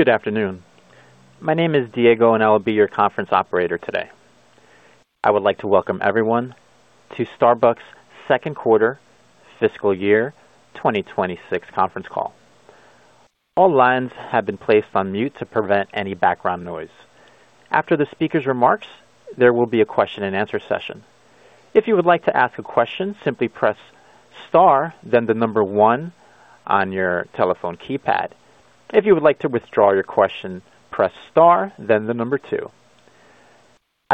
Good afternoon. My name is Diego, and I will be your conference operator today. I would like to welcome everyone to Starbucks' second quarter fiscal year 2026 conference call. I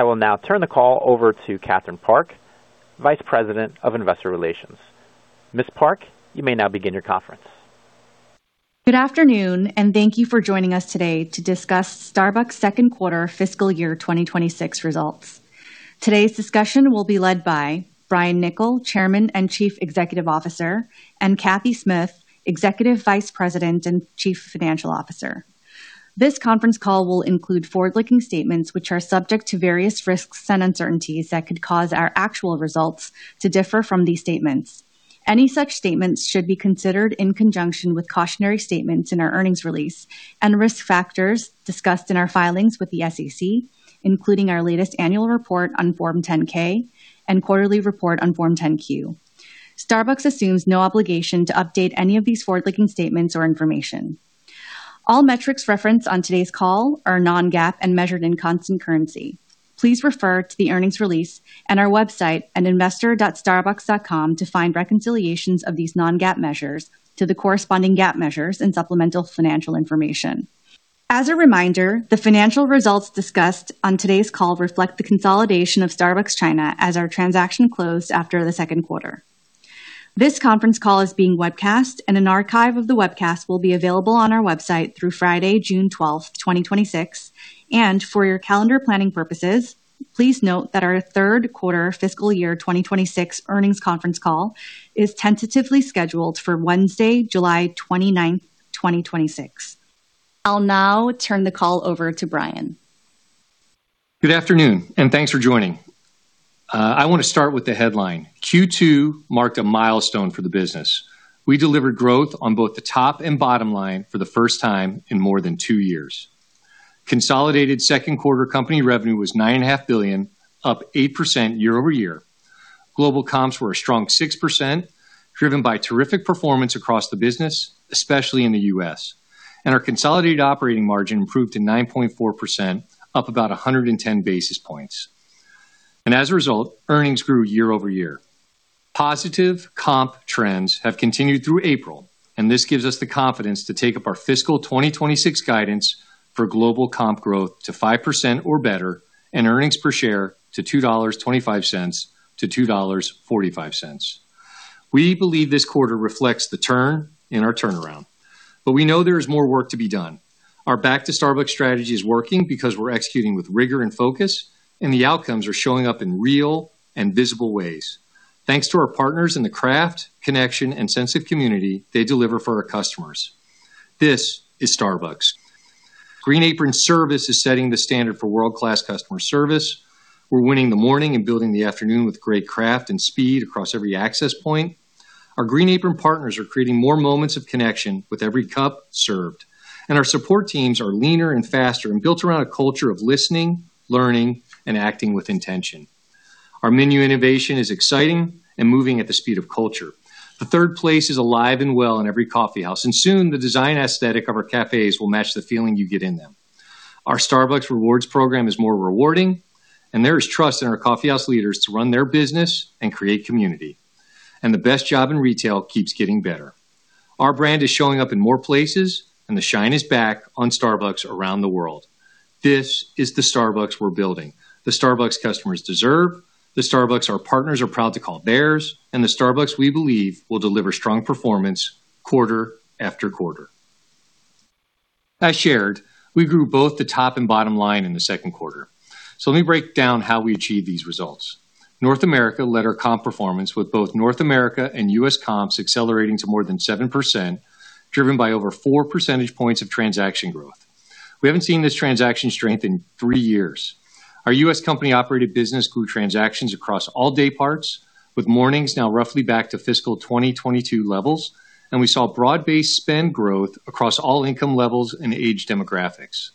will now turn the call over to Catherine Park, Vice President of Investor Relations. Ms. Park, you may now begin your conference. Good afternoon, and thank you for joining us today to discuss Starbucks' second quarter fiscal year 2026 results. Today's discussion will be led by Brian Niccol, Chairman and Chief Executive Officer, and Cathy Smith, Executive Vice President and Chief Financial Officer. This conference call will include forward-looking statements which are subject to various risks and uncertainties that could cause our actual results to differ from these statements. Any such statements should be considered in conjunction with cautionary statements in our earnings release and risk factors discussed in our filings with the SEC, including our latest annual report on Form 10-K and quarterly report on Form 10-Q. Starbucks assumes no obligation to update any of these forward-looking statements or information. All metrics referenced on today's call are non-GAAP and measured in constant currency. Please refer to the earnings release and our website at investor.starbucks.com to find reconciliations of these non-GAAP measures to the corresponding GAAP measures and supplemental financial information. As a reminder, the financial results discussed on today's call reflect the consolidation of Starbucks China as our transaction closed after the second quarter. This conference call is being webcast, and an archive of the webcast will be available on our website through Friday, June 12, 2026. For your calendar planning purposes, please note that our third quarter fiscal year 2026 earnings conference call is tentatively scheduled for Wednesday, July 29, 2026. I'll now turn the call over to Brian. Good afternoon, and thanks for joining. I want to start with the headline. Q2 marked a milestone for the business. We delivered growth on both the top and bottom line for the first time in more than two years. Consolidated second quarter company revenue was $9.5 billion, up 8% year-over-year. Global comps were a strong 6%, driven by terrific performance across the business, especially in the U.S. Our consolidated operating margin improved to 9.4%, up about 110 basis points. As a result, earnings grew year-over-year. Positive comp trends have continued through April, and this gives us the confidence to take up our fiscal 2026 guidance for global comp growth to 5% or better and earnings per share to $2.25-2.45. We believe this quarter reflects the turn in our turnaround, but we know there is more work to be done. Our Back to Starbucks Strategy is working because we're executing with rigor and focus. The outcomes are showing up in real and visible ways. Thanks to our partners in the craft, connection, and sense of community they deliver for our customers. This is Starbucks. Green Apron service is setting the standard for world-class customer service. We're winning the morning and building the afternoon with great craft and speed across every access point. Our Green Apron partners are creating more moments of connection with every cup served. Our support teams are leaner and faster and built around a culture of listening, learning, and acting with intention. Our menu innovation is exciting and moving at the speed of culture. The third place is alive and well in every coffeehouse. Soon the design aesthetic of our cafes will match the feeling you get in them. Our Starbucks Rewards program is more rewarding. There is trust in our coffeehouse leaders to run their business and create community. The best job in retail keeps getting better. Our brand is showing up in more places. The shine is back on Starbucks around the world. This is the Starbucks we're building, the Starbucks customers deserve, the Starbucks our partners are proud to call theirs. The Starbucks we believe will deliver strong performance quarter after quarter. As shared, we grew both the top and bottom line in the second quarter. Let me break down how we achieved these results. North America led our comp performance with both North America and U.S. comps accelerating to more than 7%, driven by over four percentage points of transaction growth. We haven't seen this transaction strength in three years. Our U.S. company-operated business grew transactions across all day parts, with mornings now roughly back to fiscal 2022 levels, and we saw broad-based spend growth across all income levels and age demographics.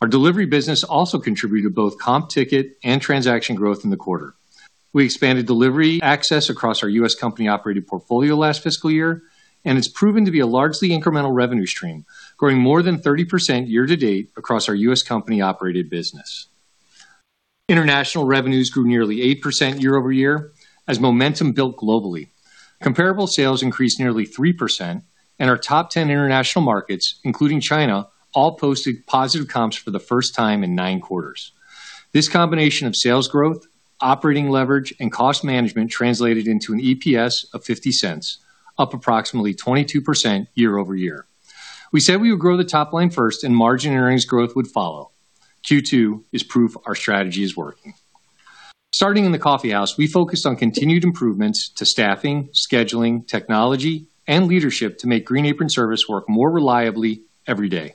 Our delivery business also contributed to both comp ticket and transaction growth in the quarter. We expanded delivery access across our U.S. company-operated portfolio last fiscal year, and it's proven to be a largely incremental revenue stream, growing more than 30% year-to-date across our U.S. company-operated business. International revenues grew nearly 8% year-over-year as momentum built globally. Comparable sales increased nearly 3%, our top 10 international markets, including China, all posted positive comps for the first time in 9 quarters. This combination of sales growth, operating leverage, and cost management translated into an EPS of $0.50, up approximately 22% year-over-year. We said we would grow the top line first and margin earnings growth would follow. Q2 is proof our strategy is working. Starting in the coffeehouse, we focused on continued improvements to staffing, scheduling, technology, and leadership to make Green Apron service work more reliably every day.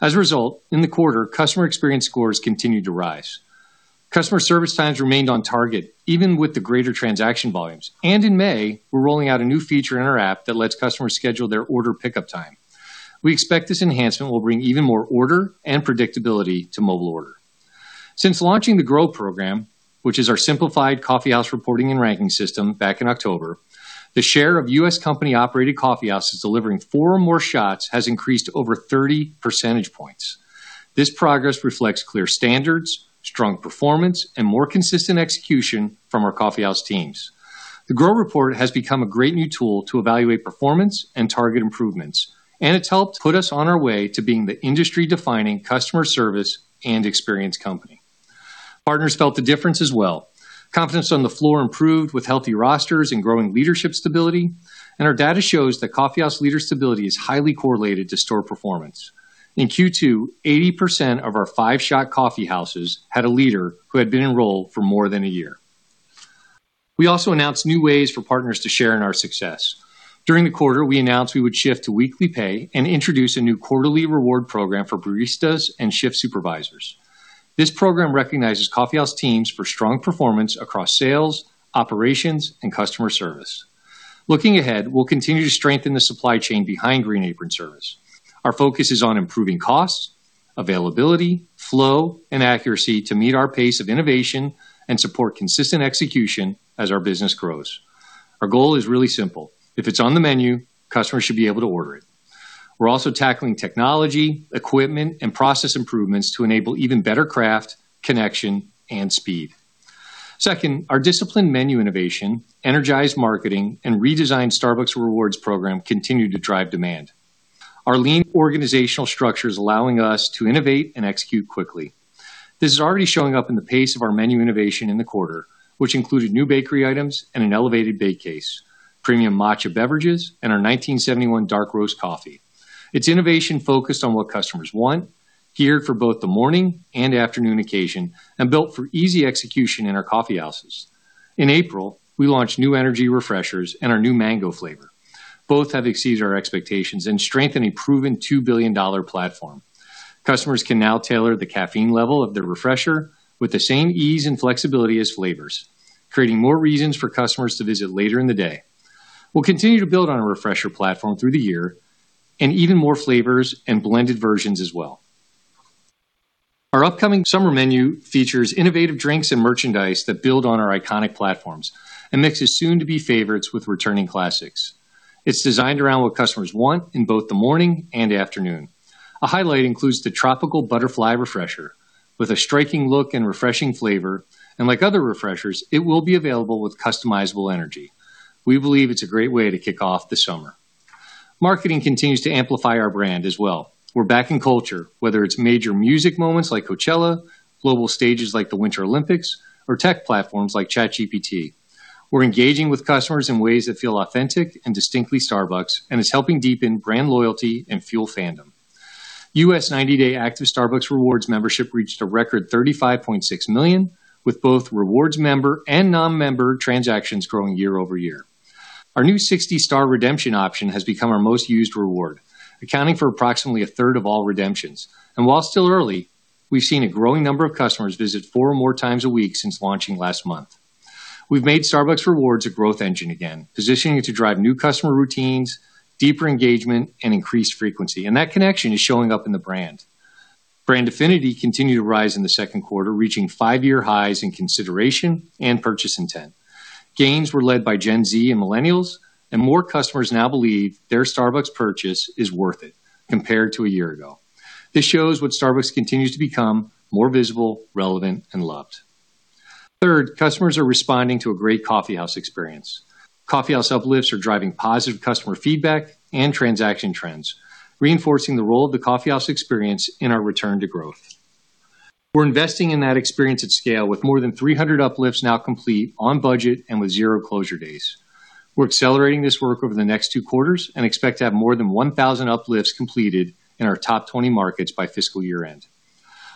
As a result, in the quarter, customer experience scores continued to rise. Customer service times remained on target even with the greater transaction volumes. In May, we're rolling out a new feature in our app that lets customers schedule their order pickup time. We expect this enhancement will bring even more order and predictability to mobile order. Since launching the GROW program, which is our simplified coffeehouse reporting and ranking system back in October, the share of U.S. company-operated coffeehouses delivering four more shots has increased over 30 percentage points. This progress reflects clear standards, strong performance, and more consistent execution from our coffeehouse teams. The GROW report has become a great new tool to evaluate performance and target improvements, and it's helped put us on our way to being the industry-defining customer service and experience company. Partners felt the difference as well. Confidence on the floor improved with healthy rosters and growing leadership stability, and our data shows that coffeehouse leader stability is highly correlated to store performance. In Q2, 80% of our 5-shot coffeehouses had a leader who had been enrolled for more than one-year. We also announced new ways for partners to share in our success. During the quarter, we announced we would shift to weekly pay and introduce a new quarterly reward program for baristas and shift supervisors. This program recognizes coffeehouse teams for strong performance across sales, operations, and customer service. Looking ahead, we'll continue to strengthen the supply chain behind Green Apron service. Our focus is on improving costs, availability, flow, and accuracy to meet our pace of innovation and support consistent execution as our business grows. Our goal is really simple. If it's on the menu, customers should be able to order it. We're also tackling technology, equipment, and process improvements to enable even better craft, connection, and speed. Second, our disciplined menu innovation, energized marketing, and redesigned Starbucks Rewards program continue to drive demand. Our lean organizational structure is allowing us to innovate and execute quickly. This is already showing up in the pace of our menu innovation in the quarter, which included new bakery items and an elevated bake case, premium matcha beverages, and our 1971 Dark Roast coffee. It's innovation-focused on what customers want, geared for both the morning and afternoon occasion, and built for easy execution in our coffee houses. In April, we launched new energy Refreshers and our new mango flavor. Both have exceeded our expectations and strengthen a proven $2 billion platform. Customers can now tailor the caffeine level of their Refresher with the same ease and flexibility as flavors, creating more reasons for customers to visit later in the day. We'll continue to build on a Refresher platform through the year and even more flavors and blended versions as well. Our upcoming summer menu features innovative drinks and merchandise that build on our iconic platforms and mixes soon-to-be favorites with returning classics. It's designed around what customers want in both the morning and afternoon. A highlight includes the Tropical Butterfly Refresher with a striking look and refreshing flavor, and like other Refreshers, it will be available with customizable energy. We believe it's a great way to kick off the summer. Marketing continues to amplify our brand as well. We're back in culture, whether it's major music moments like Coachella, global stages like the Winter Olympics, or tech platforms like ChatGPT. We're engaging with customers in ways that feel authentic and distinctly Starbucks and is helping deepen brand loyalty and fuel fandom. U.S. 90-day active Starbucks Rewards membership reached a record $35.6 million, with both Rewards member and non-member transactions growing year-over-year. Our new 60-star redemption option has become our most used reward, accounting for approximately a third of all redemptions. While still early, we've seen a growing number of customers visit four or more times a week since launching last month. We've made Starbucks Rewards a growth engine again, positioning it to drive new customer routines, deeper engagement, and increased frequency. That connection is showing up in the brand. Brand affinity continued to rise in the second quarter, reaching five-year highs in consideration and purchase intent. Gains were led by Gen Z and millennials, and more customers now believe their Starbucks purchase is worth it compared to a year ago. This shows what Starbucks continues to become more visible, relevant, and loved. Third, customers are responding to a great coffeehouse experience. Coffeehouse uplifts are driving positive customer feedback and transaction trends, reinforcing the role of the coffeehouse experience in our return to growth. We're investing in that experience at scale with more than 300 uplifts now complete on budget and with zero closure days. We're accelerating this work over the next two quarters and expect to have more than 1,000 uplifts completed in our top 20 markets by fiscal year-end.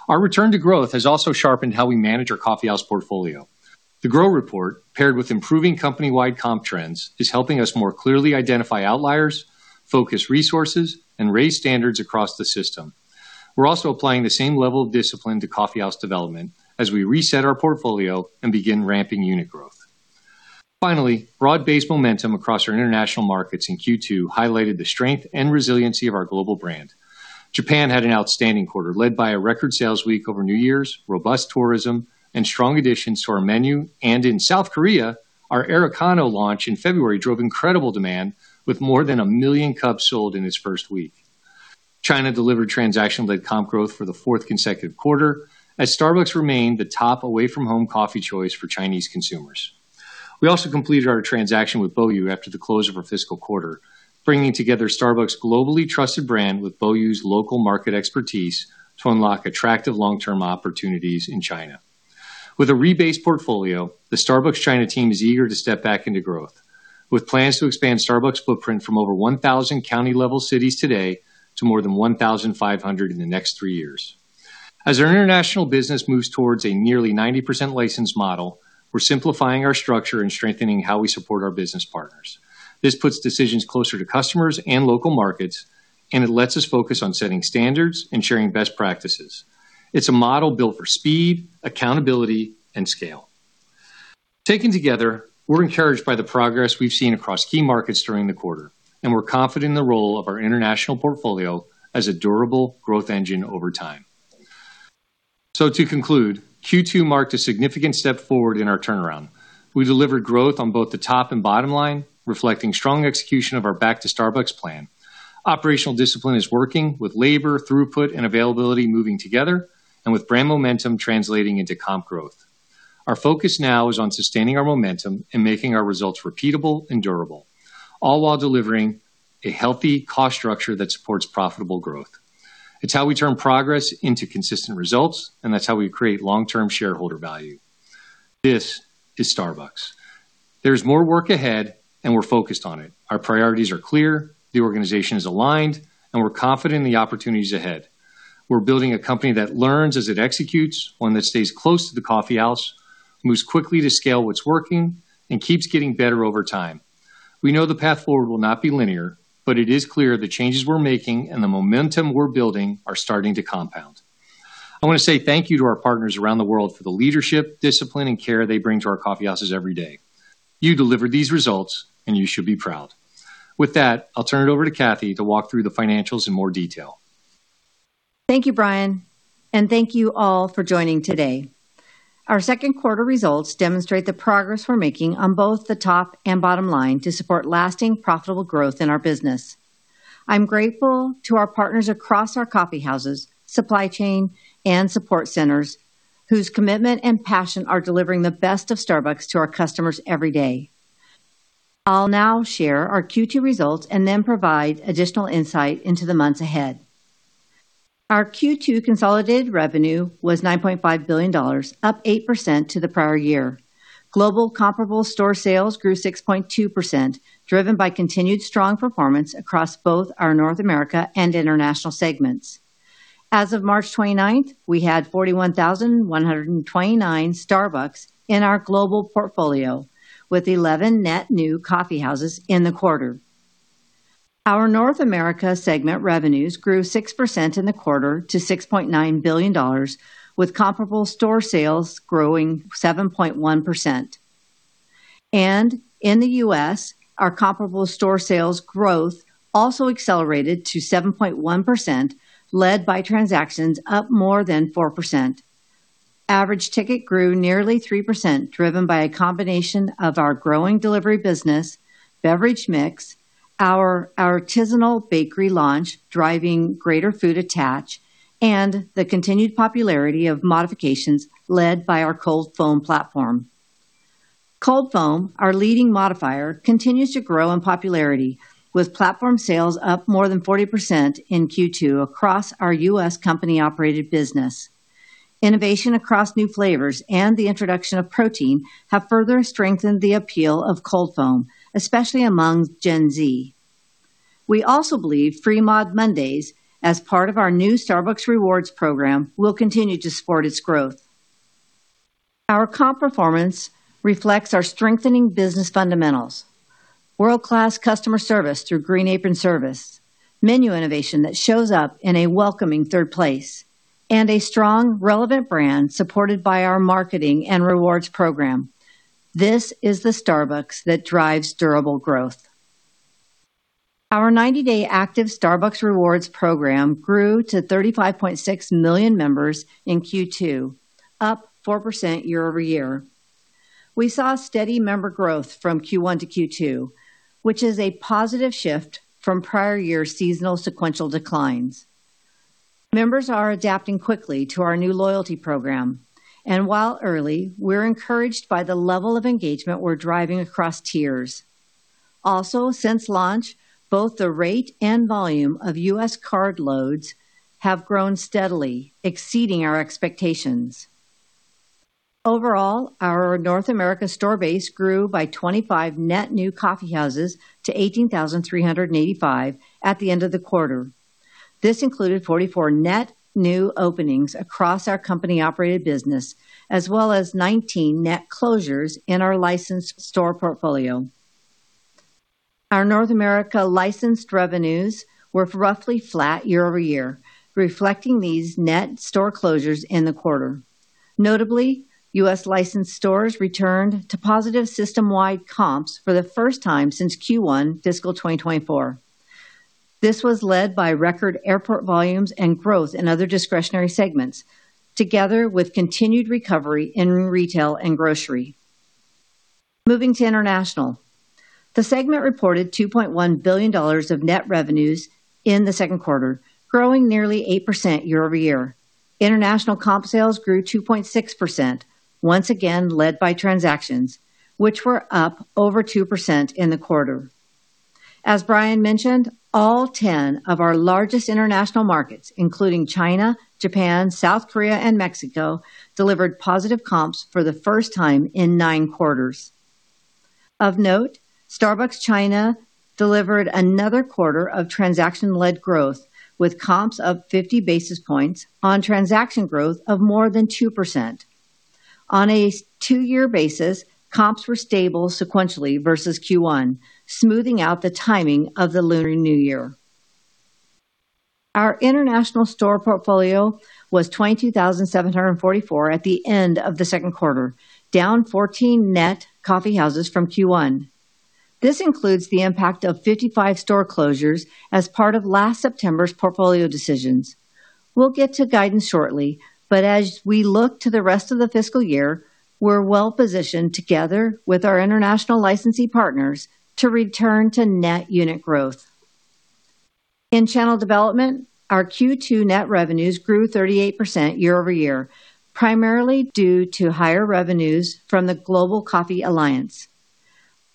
Our return to growth has also sharpened how we manage our coffeehouse portfolio. The GROW Scorecard, paired with improving company-wide comp trends, is helping us more clearly identify outliers, focus resources, and raise standards across the system. We're also applying the same level of discipline to coffeehouse development as we reset our portfolio and begin ramping unit growth. Finally, broad-based momentum across our international markets in Q2 highlighted the strength and resiliency of our global brand. Japan had an outstanding quarter, led by a record sales week over New Year's, robust tourism, and strong additions to our menu. In South Korea, our Aerocano launch in February drove incredible demand with more than 1 million cups sold in its first week. China delivered transaction-led comp growth for the fourth consecutive quarter as Starbucks remained the top away-from-home coffee choice for Chinese consumers. We also completed our transaction with Boyu after the close of our fiscal quarter, bringing together Starbucks' globally trusted brand with Boyu's local market expertise to unlock attractive long-term opportunities in China. With a rebased portfolio, the Starbucks China team is eager to step back into growth, with plans to expand Starbucks' footprint from over 1,000 county-level cities today to more than 1,500 in the next three years. As our international business moves towards a nearly 90% licensed model, we're simplifying our structure and strengthening how we support our business partners. This puts decisions closer to customers and local markets. It lets us focus on setting standards and sharing best practices. It's a model built for speed, accountability, and scale. Taken together, we're encouraged by the progress we've seen across key markets during the quarter, and we're confident in the role of our international portfolio as a durable growth engine over time. To conclude, Q2 marked a significant step forward in our turnaround. We delivered growth on both the top and bottom line, reflecting strong execution of our Back to Starbucks plan. Operational discipline is working with labor, throughput, and availability moving together, and with brand momentum translating into comp growth. Our focus now is on sustaining our momentum and making our results repeatable and durable, all while delivering a healthy cost structure that supports profitable growth. It's how we turn progress into consistent results. That's how we create long-term shareholder value. This is Starbucks. There's more work ahead. We're focused on it. Our priorities are clear, the organization is aligned. We're confident in the opportunities ahead. We're building a company that learns as it executes, one that stays close to the coffee house, moves quickly to scale what's working. Keeps getting better over time. We know the path forward will not be linear. It is clear the changes we're making and the momentum we're building are starting to compound. I wanna say thank you to our partners around the world for the leadership, discipline, and care they bring to our coffee houses every day. You delivered these results, you should be proud. With that, I'll turn it over to Cathy to walk through the financials in more detail. Thank you, Brian. Thank you all for joining today. Our second quarter results demonstrate the progress we're making on both the top and bottom line to support lasting, profitable growth in our business. I'm grateful to our partners across our coffee houses, supply chain, and support centers, whose commitment and passion are delivering the best of Starbucks to our customers every day. I'll now share our Q2 results and then provide additional insight into the months ahead. Our Q2 consolidated revenue was $9.5 billion, up 8% to the prior year. Global comparable store sales grew 6.2%, driven by continued strong performance across both our North America and international segments. As of March 29th, we had 41,129 Starbucks in our global portfolio, with 11 net new coffee houses in the quarter. Our North America segment revenues grew 6% in the quarter to $6.9 billion, with comparable store sales growing 7.1%. In the U.S., our comparable store sales growth also accelerated to 7.1%, led by transactions up more than 4%. Average ticket grew nearly 3%, driven by a combination of our growing delivery business, beverage mix, our artisanal bakery launch, driving greater food attach, and the continued popularity of modifications led by our cold foam platform. Cold foam, our leading modifier, continues to grow in popularity, with platform sales up more than 40% in Q2 across our U.S. company-operated business. Innovation across new flavors and the introduction of protein have further strengthened the appeal of cold foam, especially among Gen Z. We also believe Free Mod Mondays, as part of our new Starbucks Rewards program, will continue to support its growth. Our comp performance reflects our strengthening business fundamentals. World-class customer service through Green Apron service, menu innovation that shows up in a welcoming third place, and a strong, relevant brand supported by our marketing and rewards program. This is the Starbucks that drives durable growth. Our 90-day active Starbucks Rewards program grew to 35.6 million members in Q2, up 4% year-over-year. We saw steady member growth from Q1 to Q2, which is a positive shift from prior year seasonal sequential declines. Members are adapting quickly to our new loyalty program. While early, we're encouraged by the level of engagement we're driving across tiers. Also, since launch, both the rate and volume of U.S. card loads have grown steadily, exceeding our expectations. Overall, our North America store base grew by 25 net new coffee houses to 18,385 at the end of the quarter. This included 44 net new openings across our company-operated business, as well as 19 net closures in our licensed store portfolio. Our North America licensed revenues were roughly flat year-over-year, reflecting these net store closures in the quarter. Notably, U.S. licensed stores returned to positive system-wide comps for the first time since Q1 FY 2024. This was led by record airport volumes and growth in other discretionary segments, together with continued recovery in retail and grocery. Moving to international. The segment reported $2.1 billion of net revenues in the second quarter, growing nearly 8% year-over-year. International comp sales grew 2.6%, once again led by transactions, which were up over 2% in the quarter. As Brian mentioned, all 10 of our largest international markets, including China, Japan, South Korea, and Mexico, delivered positive comps for the first time in nine quarters. Of note, Starbucks China delivered another quarter of transaction-led growth with comps up 50 basis points on transaction growth of more than 2%. On a two-year basis, comps were stable sequentially versus Q1, smoothing out the timing of the Lunar New Year. Our international store portfolio was 22,744 at the end of the second quarter, down 14 net coffee houses from Q1. This includes the impact of 55 store closures as part of last September's portfolio decisions. We'll get to guidance shortly, but as we look to the rest of the fiscal year, we're well-positioned together with our international licensee partners to return to net unit growth. In channel development, our Q2 net revenues grew 38% year-over-year, primarily due to higher revenues from the Global Coffee Alliance.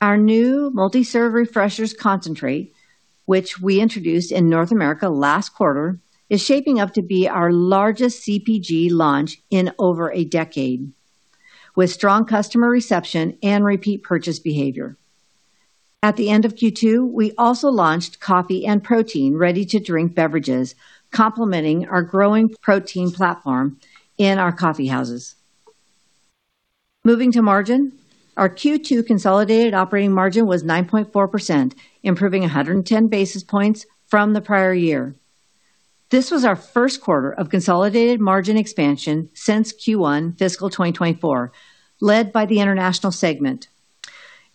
Our new multi-serve Refreshers concentrate, which we introduced in North America last quarter, is shaping up to be our largest CPG launch in over a decade, with strong customer reception and repeat purchase behavior. At the end of Q2, we also launched coffee and protein ready-to-drink beverages, complementing our growing protein platform in our coffeehouses. Moving to margin, our Q2 consolidated operating margin was 9.4%, improving 110 basis points from the prior year. This was our first quarter of consolidated margin expansion since Q1 FY 2024, led by the international segment.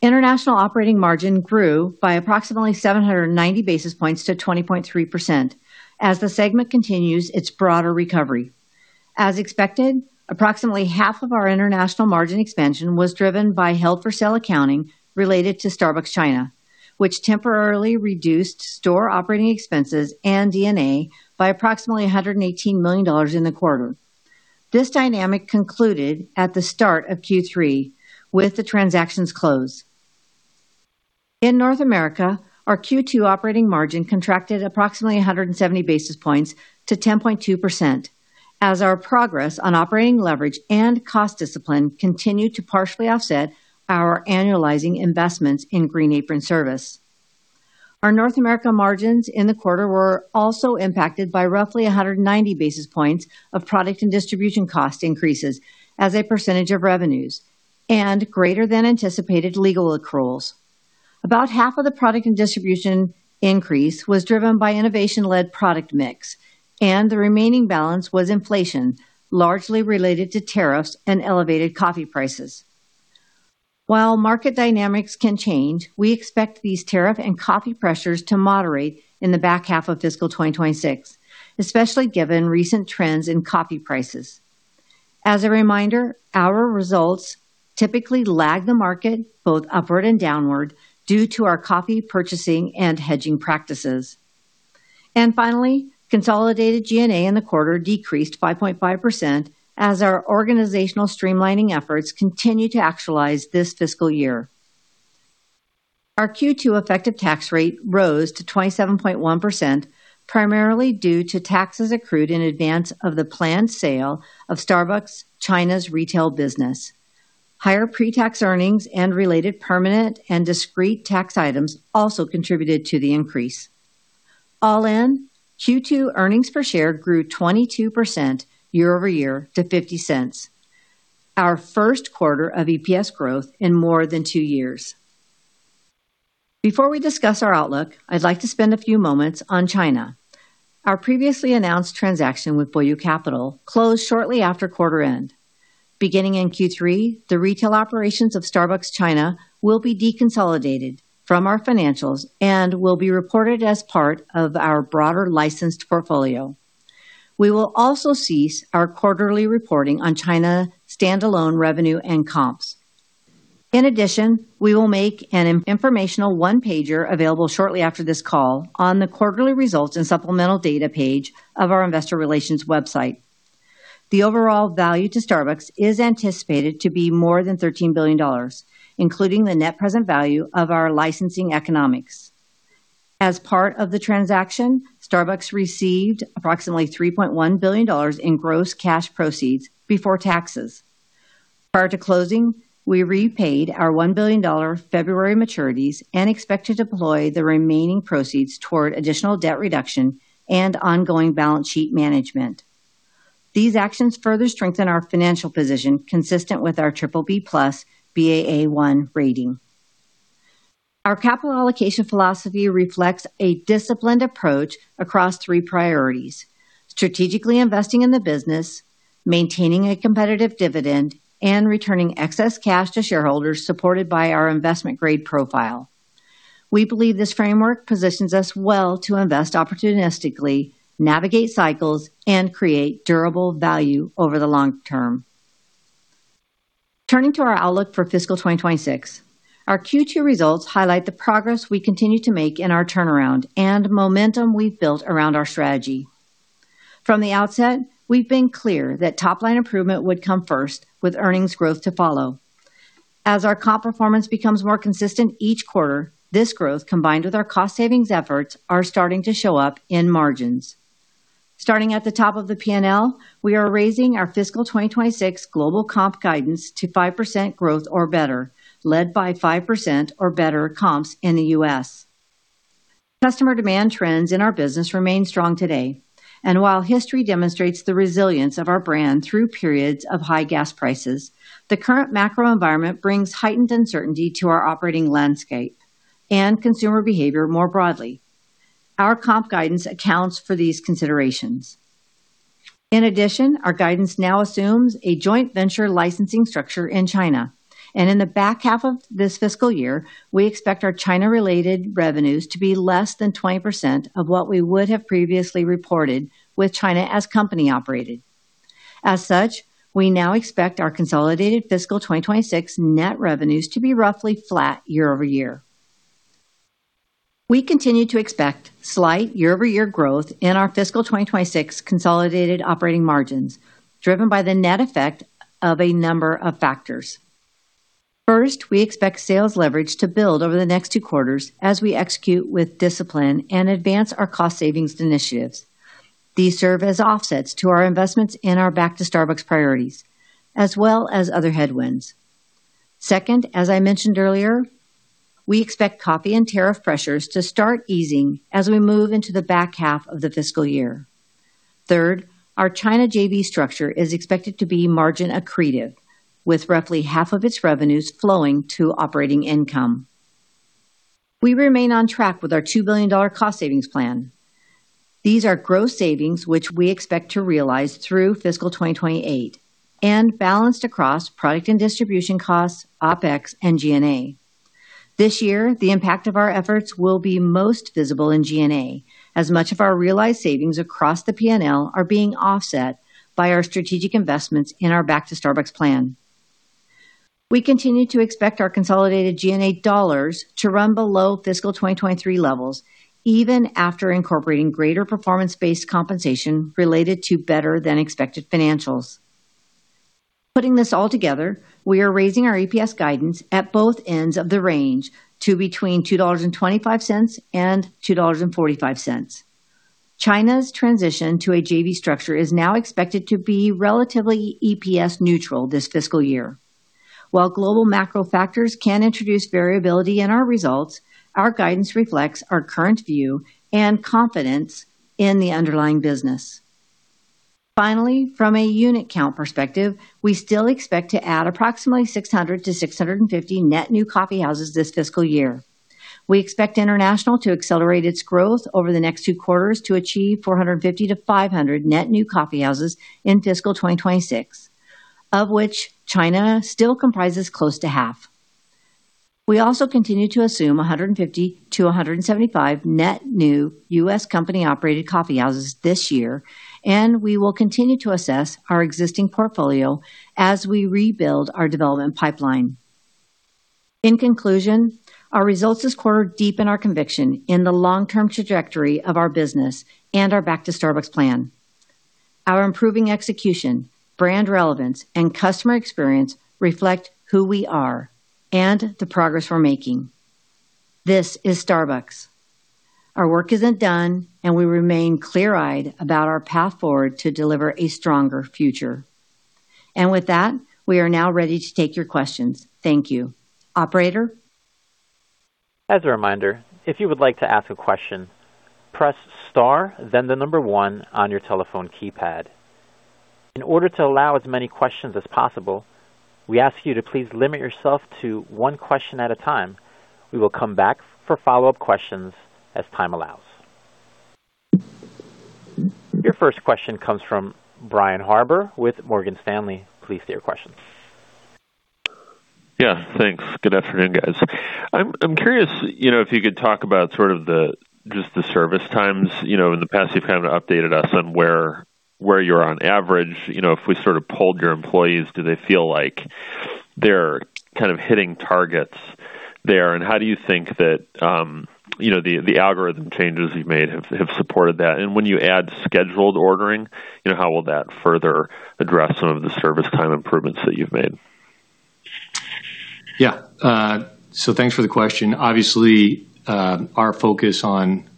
International operating margin grew by approximately 790 basis points to 20.3% as the segment continues its broader recovery. As expected, approximately half of our international margin expansion was driven by held-for-sale accounting related to Starbucks China, which temporarily reduced store operating expenses and D&A by approximately $118 million in the quarter. This dynamic concluded at the start of Q3 with the transaction's close. In North America, our Q2 operating margin contracted approximately 170 basis points to 10.2% as our progress on operating leverage and cost discipline continued to partially offset our annualizing investments in Green Apron service. Our North America margins in the quarter were also impacted by roughly 190 basis points of product and distribution cost increases as a percentage of revenues and greater than anticipated legal accruals. About half of the product and distribution increase was driven by innovation-led product mix, and the remaining balance was inflation, largely related to tariffs and elevated coffee prices. While market dynamics can change, we expect these tariff and coffee pressures to moderate in the back half of fiscal 2026, especially given recent trends in coffee prices. As a reminder, our results typically lag the market both upward and downward due to our coffee purchasing and hedging practices. Finally, consolidated G&A in the quarter decreased 5.5% as our organizational streamlining efforts continue to actualize this fiscal year. Our Q2 effective tax rate rose to 27.1%, primarily due to taxes accrued in advance of the planned sale of Starbucks China's retail business. Higher pre-tax earnings and related permanent and discrete tax items also contributed to the increase. All in, Q2 earnings per share grew 22% year-over-year to $0.50, our first quarter of EPS growth in more than two years. Before we discuss our outlook, I'd like to spend a few moments on China. Our previously announced transaction with Boyu Capital closed shortly after quarter end. Beginning in Q3, the retail operations of Starbucks China will be deconsolidated from our financials and will be reported as part of our broader licensed portfolio. We will also cease our quarterly reporting on China standalone revenue and comps. In addition, we will make an informational one-pager available shortly after this call on the quarterly results and supplemental data page of our investor relations website. The overall value to Starbucks is anticipated to be more than $13 billion, including the net present value of our licensing economics. As part of the transaction, Starbucks received approximately $3.1 billion in gross cash proceeds before taxes. Prior to closing, we repaid our $1 billion February maturities and expect to deploy the remaining proceeds toward additional debt reduction and ongoing balance sheet management. These actions further strengthen our financial position consistent with our BBB+ Baa1 rating. Our capital allocation philosophy reflects a disciplined approach across three priorities: strategically investing in the business, maintaining a competitive dividend, and returning excess cash to shareholders supported by our investment grade profile. We believe this framework positions us well to invest opportunistically, navigate cycles, and create durable value over the long-term. Turning to our outlook for fiscal 2026, our Q2 results highlight the progress we continue to make in our turnaround and momentum we've built around our strategy. From the outset, we've been clear that top line improvement would come first, with earnings growth to follow. As our comp performance becomes more consistent each quarter, this growth, combined with our cost savings efforts, are starting to show up in margins. Starting at the top of the P&L, we are raising our fiscal 2026 global comp guidance to 5% growth or better, led by 5% or better comps in the U.S. Customer demand trends in our business remain strong today. While history demonstrates the resilience of our brand through periods of high gas prices, the current macro environment brings heightened uncertainty to our operating landscape and consumer behavior more broadly. Our comp guidance accounts for these considerations. In addition, our guidance now assumes a joint venture licensing structure in China. In the back half of this fiscal year, we expect our China-related revenues to be less than 20% of what we would have previously reported with China as company-operated. As such, we now expect our consolidated fiscal 2026 net revenues to be roughly flat year-over-year. We continue to expect slight year-over-year growth in our fiscal 2026 consolidated operating margins, driven by the net effect of a number of factors. First, we expect sales leverage to build over the next two quarters as we execute with discipline and advance our cost savings initiatives. These serve as offsets to our investments in our Back to Starbucks priorities, as well as other headwinds. Second, as I mentioned earlier, we expect COGS and tariff pressures to start easing as we move into the back half of the fiscal year. Third, our China JV structure is expected to be margin accretive, with roughly half of its revenues flowing to operating income. We remain on track with our $2 billion cost savings plan. These are gross savings, which we expect to realize through fiscal 2028 and balanced across product and distribution costs, OpEx, and G&A. This year, the impact of our efforts will be most visible in G&A, as much of our realized savings across the P&L are being offset by our strategic investments in our Back to Starbucks plan. We continue to expect our consolidated G&A dollars to run below fiscal 2023 levels, even after incorporating greater performance-based compensation related to better than expected financials. Putting this all together, we are raising our EPS guidance at both ends of the range to between $2.25 and 2.45. China's transition to a JV structure is now expected to be relatively EPS neutral this fiscal year. While global macro factors can introduce variability in our results, our guidance reflects our current view and confidence in the underlying business. Finally, from a unit count perspective, we still expect to add approximately 600-650 net new coffee houses this fiscal year. We expect international to accelerate its growth over the next two quarters to achieve 450-500 net new coffee houses in fiscal 2026, of which China still comprises close to half. We also continue to assume 150-175 net new U.S. company-operated coffee houses this year, and we will continue to assess our existing portfolio as we rebuild our development pipeline. In conclusion, our results this quarter deepen our conviction in the long-term trajectory of our business and our Back to Starbucks plan. Our improving execution, brand relevance, and customer experience reflect who we are and the progress we're making. This is Starbucks. Our work isn't done, we remain clear-eyed about our path forward to deliver a stronger future. With that, we are now ready to take your questions. Thank you. Operator. As a reminder, if you would like to ask a question, press star, then the number one on your telephone keypad. In order to allow as many questions as possible, we ask you to please limit yourself to one question at a time. We will come back for follow-up questions as time allows. Your first question comes from Brian Harbour with Morgan Stanley. Please state your question. Yeah, thanks. Good afternoon, guys. I'm curious, you know, if you could talk about just the service times. You know, in the past, you've kind of updated us on where you're on average. You know, if we sort of polled your employees, do they feel like they're kind of hitting targets there? How do you think that, you know, the algorithm changes you've made have supported that? When you add scheduled ordering, you know, how will that further address some of the service time improvements that you've made? Thanks for the question. Obviously, our focus on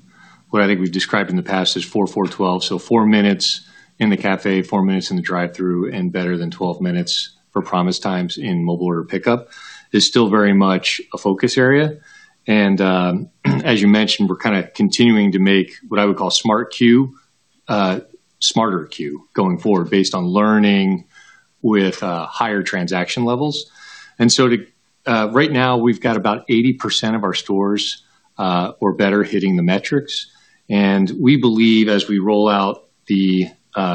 what I think we've described in the past is four-four-twelve. Four minutes in the cafe, four minutes in the drive-thru, and better than twelve minutes for promise times in mobile order pickup is still very much a focus area. As you mentioned, we're kind of continuing to make what I would call Smart Queue, smarter queue going forward based on learning with higher transaction levels. Right now, we've got about 80% of our stores or better hitting the metrics. We believe as we roll out the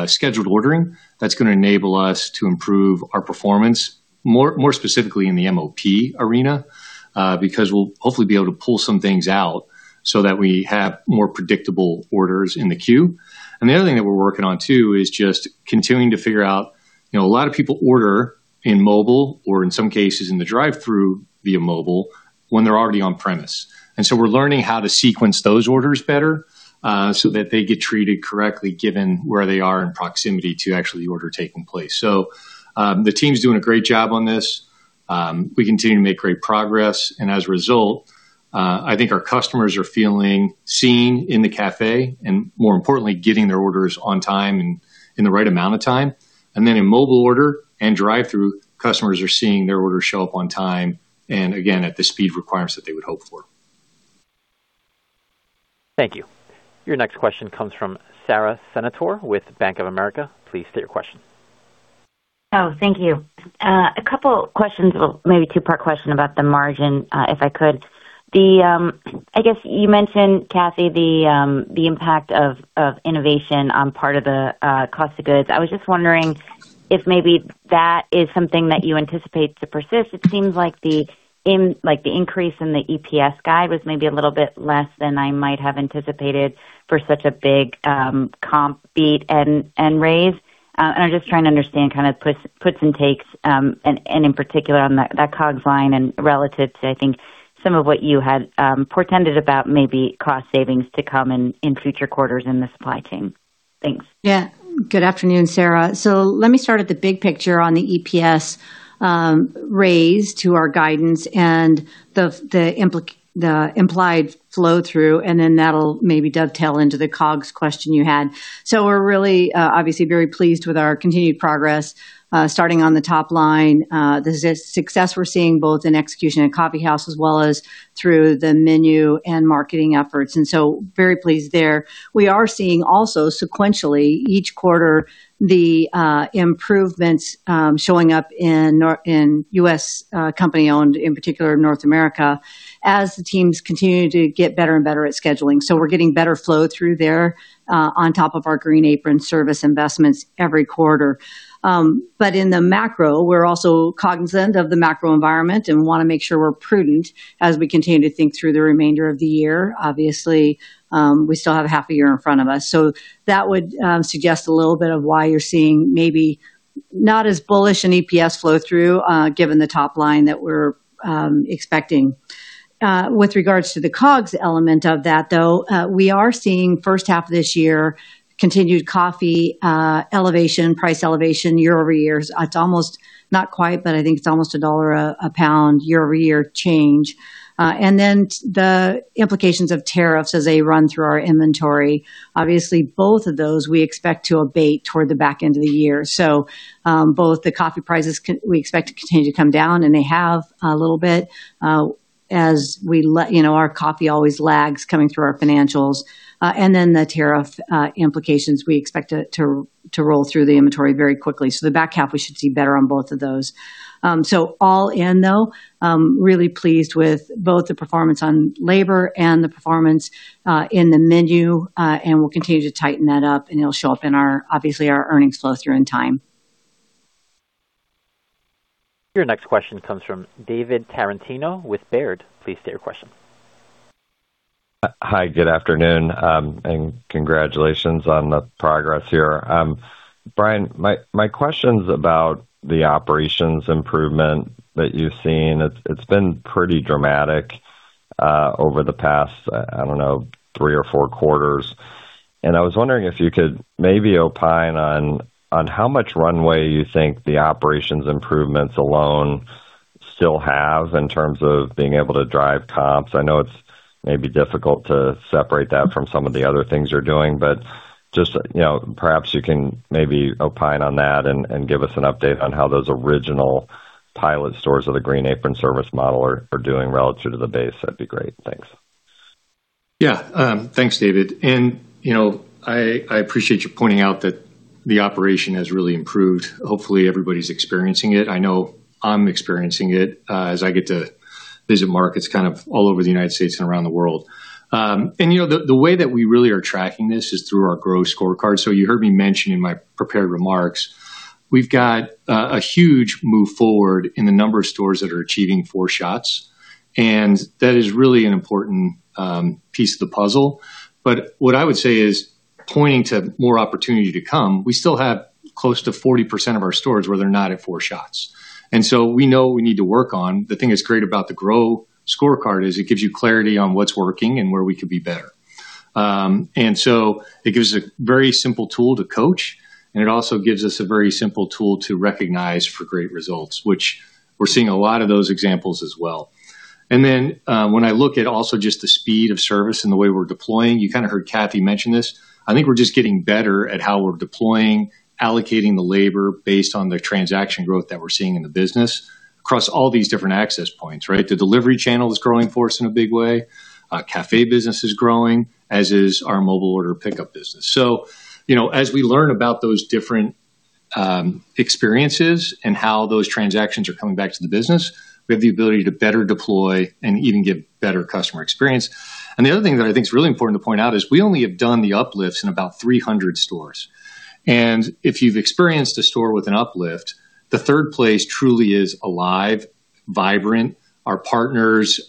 scheduled ordering, that's gonna enable us to improve our performance, more specifically in the MOP arena, because we'll hopefully be able to pull some things out so that we have more predictable orders in the queue. The other thing that we're working on too is just continuing to figure out, you know, a lot of people order in mobile, or in some cases in the drive-thru via mobile when they're already on premise. We're learning how to sequence those orders better, so that they get treated correctly given where they are in proximity to actually the order taking place. The team's doing a great job on this. We continue to make great progress. As a result, I think our customers are feeling seen in the cafe, and more importantly, getting their orders on time and in the right amount of time. In mobile order and drive-thru, customers are seeing their orders show up on time and again at the speed requirements that they would hope for. Thank you. Your next question comes from Sara Senatore with Bank of America. Please state your question. Thank you. A couple questions, well, maybe two-part question about the margin, if I could. The, I guess you mentioned, Cathy, the impact of innovation on part of the cost of goods. I was just wondering if maybe that is something that you anticipate to persist. It seems like the increase in the EPS guide was maybe a little bit less than I might have anticipated for such a big comp beat and raise. I'm just trying to understand kind of puts and takes, and in particular on that COGS line and relative to, I think, some of what you had portended about maybe cost savings to come in future quarters in the supply chain. Thanks. Good afternoon, Sara. Let me start at the big picture on the EPS raise to our guidance and the implied flow-through, and then that'll maybe dovetail into the COGS question you had. We're really obviously very pleased with our continued progress starting on the top line. The success we're seeing both in execution at coffeehouse as well as through the menu and marketing efforts, and so very pleased there. We are seeing also sequentially each quarter the improvements showing up in U.S. company-owned, in particular North America, as the teams continue to get better and better at scheduling. We're getting better flow through there on top of our Green Apron service investments every quarter. In the macro, we're also cognizant of the macro environment and want to make sure we're prudent as we continue to think through the remainder of the year. Obviously, we still have a half a year in front of us. That would suggest a little bit of why you're seeing maybe not as bullish an EPS flow-through, given the top line that we're expecting. With regards to the COGS element of that, though, we are seeing first half of this year continued coffee elevation, price elevation year-over-year. It's almost not quite, but I think it's almost a $1 a pound year-over-year change. The implications of tariffs as they run through our inventory. Obviously, both of those we expect to abate toward the back end of the year. Both the coffee prices we expect to continue to come down, and they have a little bit. You know, our coffee always lags coming through our financials. The tariff implications, we expect it to roll through the inventory very quickly. The back half, we should see better on both of those. All in though, really pleased with both the performance on labor and the performance in the menu, and we'll continue to tighten that up, and it'll show up in our, obviously our earnings flow-through in time. Your next question comes from David Tarantino with Baird. Please state your question. Hi, good afternoon, and congratulations on the progress here. Brian, my question's about the operations improvement that you've seen. It's been pretty dramatic over the past, I don't know, three or four quarters, and I was wondering if you could maybe opine on how much runway you think the operations improvements alone still have in terms of being able to drive comps. I know it's maybe difficult to separate that from some of the other things you're doing, but just, you know, perhaps you can maybe opine on that and give us an update on how those original pilot stores of the Green Apron service model are doing relative to the base. That'd be great. Thanks. Yeah. Thanks, David. I appreciate you pointing out that the operation has really improved. Hopefully everybody's experiencing it. I know I'm experiencing it, as I get to visit markets kind of all over the U.S. and around the world. You know, the way that we really are tracking this is through our GROW Scorecard. You heard me mention in my prepared remarks, we've got a huge move forward in the number of stores that are achieving four shots, that is really an important piece of the puzzle. What I would say is pointing to more opportunity to come, we still have close to 40% of our stores where they're not at four shots. We know we need to work on. The thing that's great about the GROW Scorecard is it gives you clarity on what's working and where we could be better. It gives a very simple tool to coach. It also gives us a very simple tool to recognize for great results, which we're seeing a lot of those examples as well. When I look at also just the speed of service and the way we're deploying, you kind of heard Cathy mention this, I think we're just getting better at how we're deploying, allocating the labor based on the transaction growth that we're seeing in the business across all these different access points, right? The delivery channel is growing for us in a big way. Our cafe business is growing, as is our mobile order pickup business. You know, as we learn about those different experiences and how those transactions are coming back to the business, we have the ability to better deploy and even give better customer experience. The other thing that I think is really important to point out is we only have done the uplifts in about 300 stores. If you've experienced a store with an uplift, the Third Place truly is alive, vibrant. Our Partners,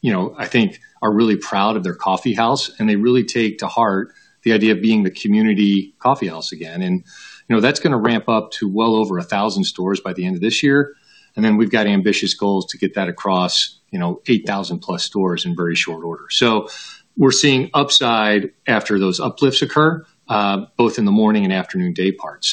you know, I think are really proud of their Coffee House, and they really take to heart the idea of being the community coffee house again. You know, that's gonna ramp up to well over 1,000 stores by the end of this year. We've got ambitious goals to get that across, you know, 8,000+ stores in very short order. We're seeing upside after those uplifts occur, both in the morning and afternoon daypart.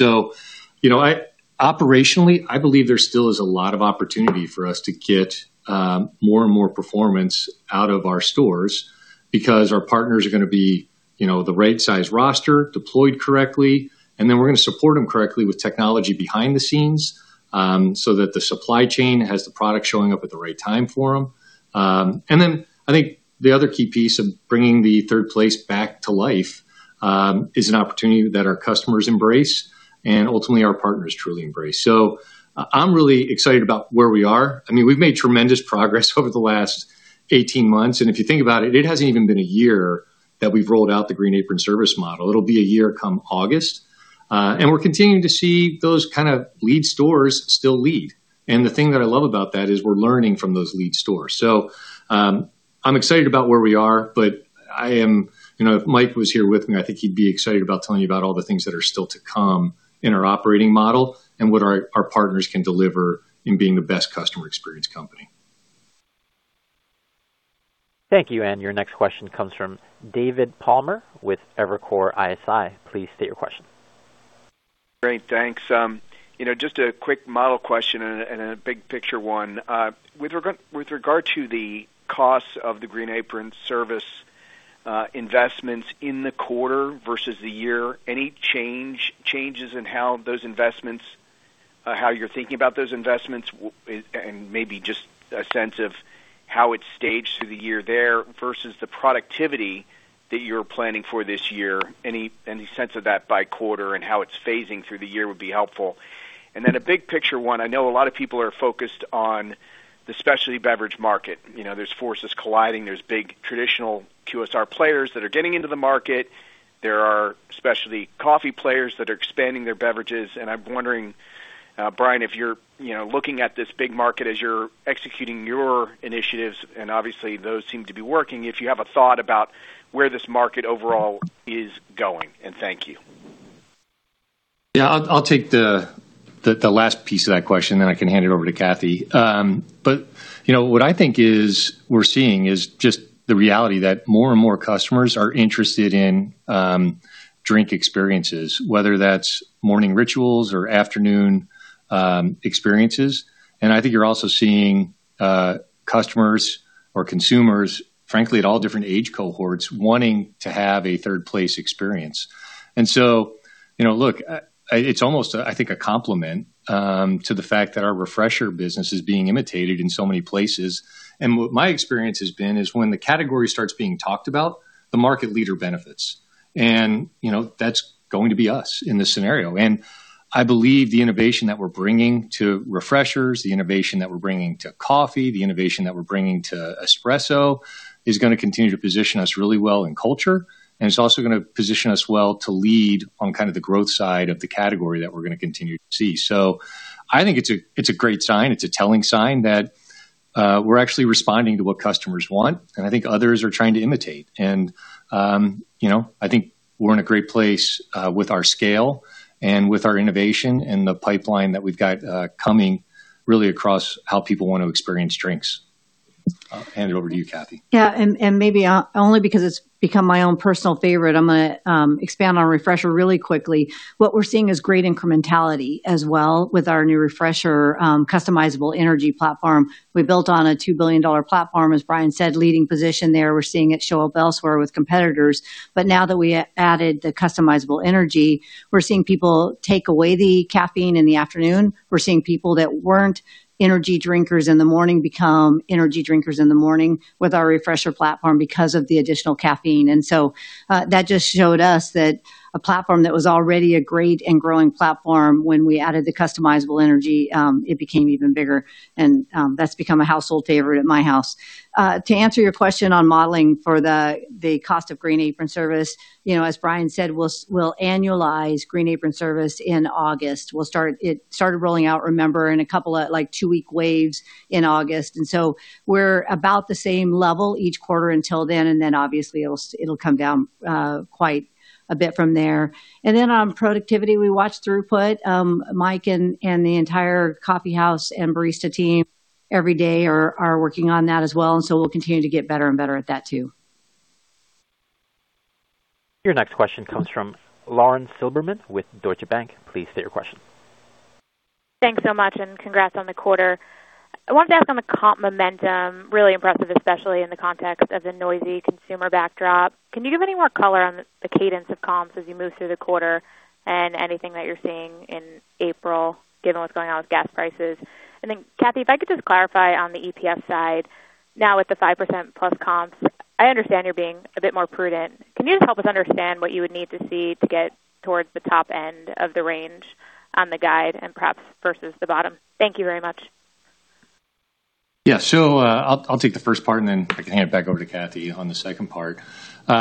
You know, operationally, I believe there still is a lot of opportunity for us to get more and more performance out of our stores because our partners are gonna be, you know, the right size roster deployed correctly, and then we're gonna support them correctly with technology behind the scenes. The supply chain has the product showing up at the right time for them. I think the other key piece of bringing the third place back to life is an opportunity that our customers embrace and ultimately our partners truly embrace. I'm really excited about where we are. I mean, we've made tremendous progress over the last 18 months. If you think about it hasn't even been one-year that we've rolled out the Green Apron service model. It'll be one-year come August. We're continuing to see those kind of lead stores still lead. The thing that I love about that is we're learning from those lead stores. I'm excited about where we are. You know, if Mike was here with me, I think he'd be excited about telling you about all the things that are still to come in our operating model and what our partners can deliver in being the best customer experience company. Thank you. Your next question comes from David Palmer with Evercore ISI. Please state your question. Great. Thanks. You know, just a quick model question and a big picture one. With regard to the cost of the Green Apron investments in the quarter versus the year, any changes in how those investments, how you're thinking about those investments and maybe just a sense of how it's staged through the year there versus the productivity that you're planning for this year. Any sense of that by quarter and how it's phasing through the year would be helpful. Then a big picture one, I know a lot of people are focused on the specialty beverage market. You know, there's forces colliding. There's big traditional QSR players that are getting into the market. There are specialty coffee players that are expanding their beverages. I'm wondering, Brian, if you're, you know, looking at this big market as you're executing your initiatives, and obviously those seem to be working, if you have a thought about where this market overall is going. And thank you. I'll take the last piece of that question, then I can hand it over to Cathy. You know, what I think is we're seeing is just the reality that more and more customers are interested in drink experiences, whether that's morning rituals or afternoon experiences. I think you're also seeing customers or consumers, frankly, at all different age cohorts wanting to have a third place experience. You know, look, it's almost, I think, a compliment to the fact that our Refresher business is being imitated in so many places. What my experience has been is when the category starts being talked about, the market leader benefits. You know, that's going to be us in this scenario. I believe the innovation that we're bringing to Refreshers, the innovation that we're bringing to coffee, the innovation that we're bringing to espresso is gonna continue to position us really well in culture, and it's also gonna position us well to lead on kind of the growth side of the category that we're gonna continue to see. I think it's a great sign, it's a telling sign that we're actually responding to what customers want, and I think others are trying to imitate. You know, I think we're in a great place with our scale and with our innovation and the pipeline that we've got coming really across how people want to experience drinks. I'll hand it over to you, Cathy. Only because it's become my own personal favorite, I'm gonna expand on Refresher really quickly. What we're seeing is great incrementality as well with our new Refresher customizable energy platform. We built on a $2 billion platform, as Brian said, leading position there. We're seeing it show up elsewhere with competitors. Now that we added the customizable energy, we're seeing people take away the caffeine in the afternoon. We're seeing people that weren't energy drinkers in the morning become energy drinkers in the morning with our Refresher platform because of the additional caffeine. That just showed us that a platform that was already a great and growing platform, when we added the customizable energy, it became even bigger. That's become a household favorite at my house. To answer your question on modeling for the cost of Green Apron service, you know, as Brian said, we'll annualize Green Apron service in August. It started rolling out, remember, in a couple of, like, two-week waves in August. We're about the same level each quarter until then, obviously it'll come down quite a bit from there. On productivity, we watch throughput. Mike and the entire coffee house and barista team every day are working on that as well, we'll continue to get better and better at that too. Your next question comes from Lauren Silberman with Deutsche Bank. Please state your question. Thanks so much. Congrats on the quarter. I wanted to ask on the comp momentum, really impressive, especially in the context of the noisy consumer backdrop. Can you give any more color on the cadence of comps as you move through the quarter and anything that you're seeing in April, given what's going on with gas prices? Cathy, if I could just clarify on the EPS side, now with the 5% plus comps, I understand you're being a bit more prudent. Can you just help us understand what you would need to see to get towards the top end of the range on the guide and perhaps versus the bottom? Thank you very much. Yeah. I'll take the first part, and then I can hand it back over to Cathy on the second part. You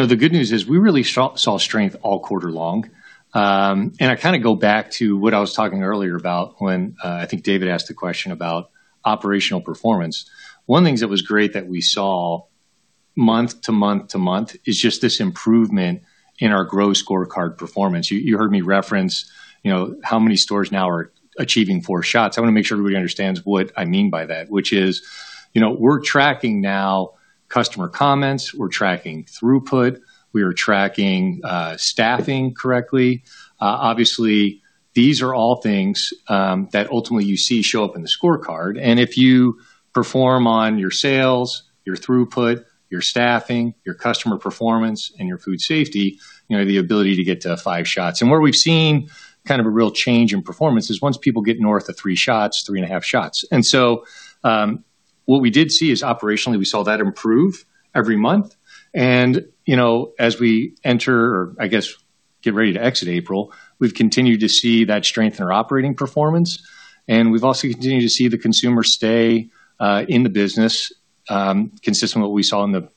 know, the good news is we really saw strength all quarter long. I kind of go back to what I was talking earlier about when I think David asked a question about operational performance. One of the things that was great that we saw month-to-month-to-month is just this improvement in our GROW Scorecard performance. You heard me reference, you know, how many stores now are achieving four shots. I want to make sure everybody understands what I mean by that, which is, you know, we're tracking now customer comments. We're tracking throughput. We are tracking staffing correctly. Obviously, these are all things that ultimately you see show up in the scorecard. If you perform on your sales, your throughput, your staffing, your customer performance, and your food safety, you know, the ability to get to five shots. Where we've seen kind of a real change in performance is once people get north of three shots, 3.5 shots. What we did see is operationally we saw that improve every month. You know, as we enter or I guess get ready to exit April, we've continued to see that strength in our operating performance. We've also continued to see the consumer stay in the business, consistent with what we saw in the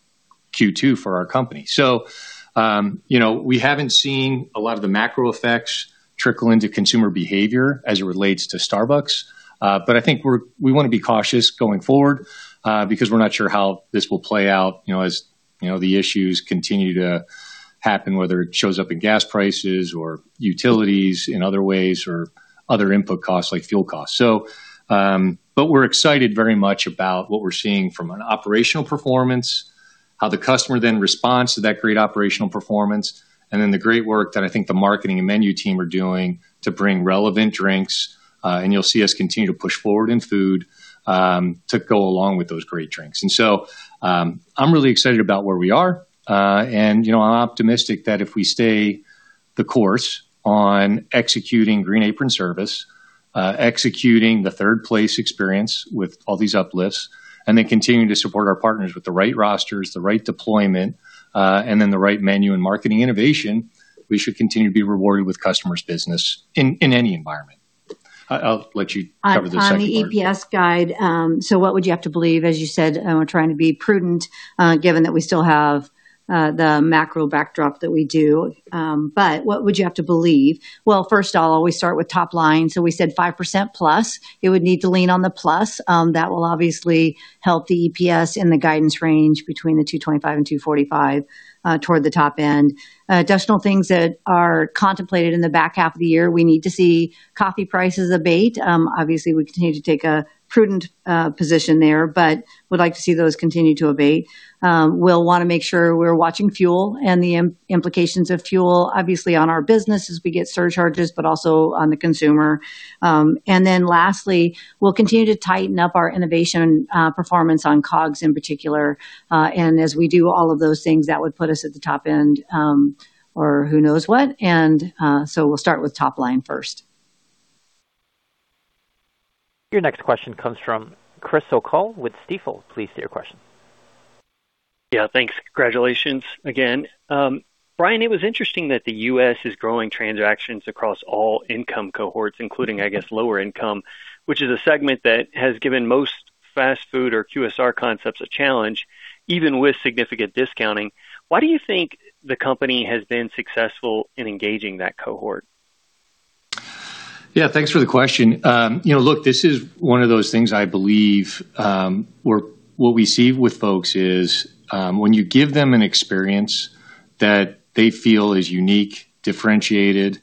Q2 for our company. You know, we haven't seen a lot of the macro effects trickle into consumer behavior as it relates to Starbucks. I think we're we want to be cautious going forward because we're not sure how this will play out, you know, as, you know, the issues continue to happen, whether it shows up in gas prices or utilities in other ways or other input costs like fuel costs. We're excited very much about what we're seeing from an operational performance, how the customer then responds to that great operational performance, and then the great work that I think the marketing and menu team are doing to bring relevant drinks. You'll see us continue to push forward in food to go along with those great drinks. I'm really excited about where we are. You know, I'm optimistic that if we stay the course on executing Green Apron service, executing the third place experience with all these uplifts, continuing to support our partners with the right rosters, the right deployment, the right menu and marketing innovation, we should continue to be rewarded with customers' business in any environment. I'll let you cover the second part. On the EPS guide, what would you have to believe? As you said, we're trying to be prudent, given that we still have the macro backdrop that we do. What would you have to believe? Well, first I'll always start with top line. We said 5% plus. It would need to lean on the plus. That will obviously help the EPS in the guidance range between $2.25 and 2.45, toward the top end. Additional things that are contemplated in the back half of the year. We need to see coffee prices abate. Obviously, we continue to take a prudent position there, but would like to see those continue to abate. We'll want to make sure we're watching fuel and the implications of fuel, obviously, on our business as we get surcharges, but also on the consumer. Lastly, we'll continue to tighten up our innovation performance on COGS in particular. As we do all of those things, that would put us at the top end, or who knows what. We'll start with top line first. Your next question comes from Chris O'Cull with Stifel. Please state your question. Yeah, thanks. Congratulations again. Brian, it was interesting that the U.S. is growing transactions across all income cohorts, including, I guess, lower income, which is a segment that has given most fast food or QSR concepts a challenge, even with significant discounting. Why do you think the company has been successful in engaging that cohort? Yeah, thanks for the question. You know, look, this is one of those things I believe, where what we see with folks is, when you give them an experience that they feel is unique, differentiated,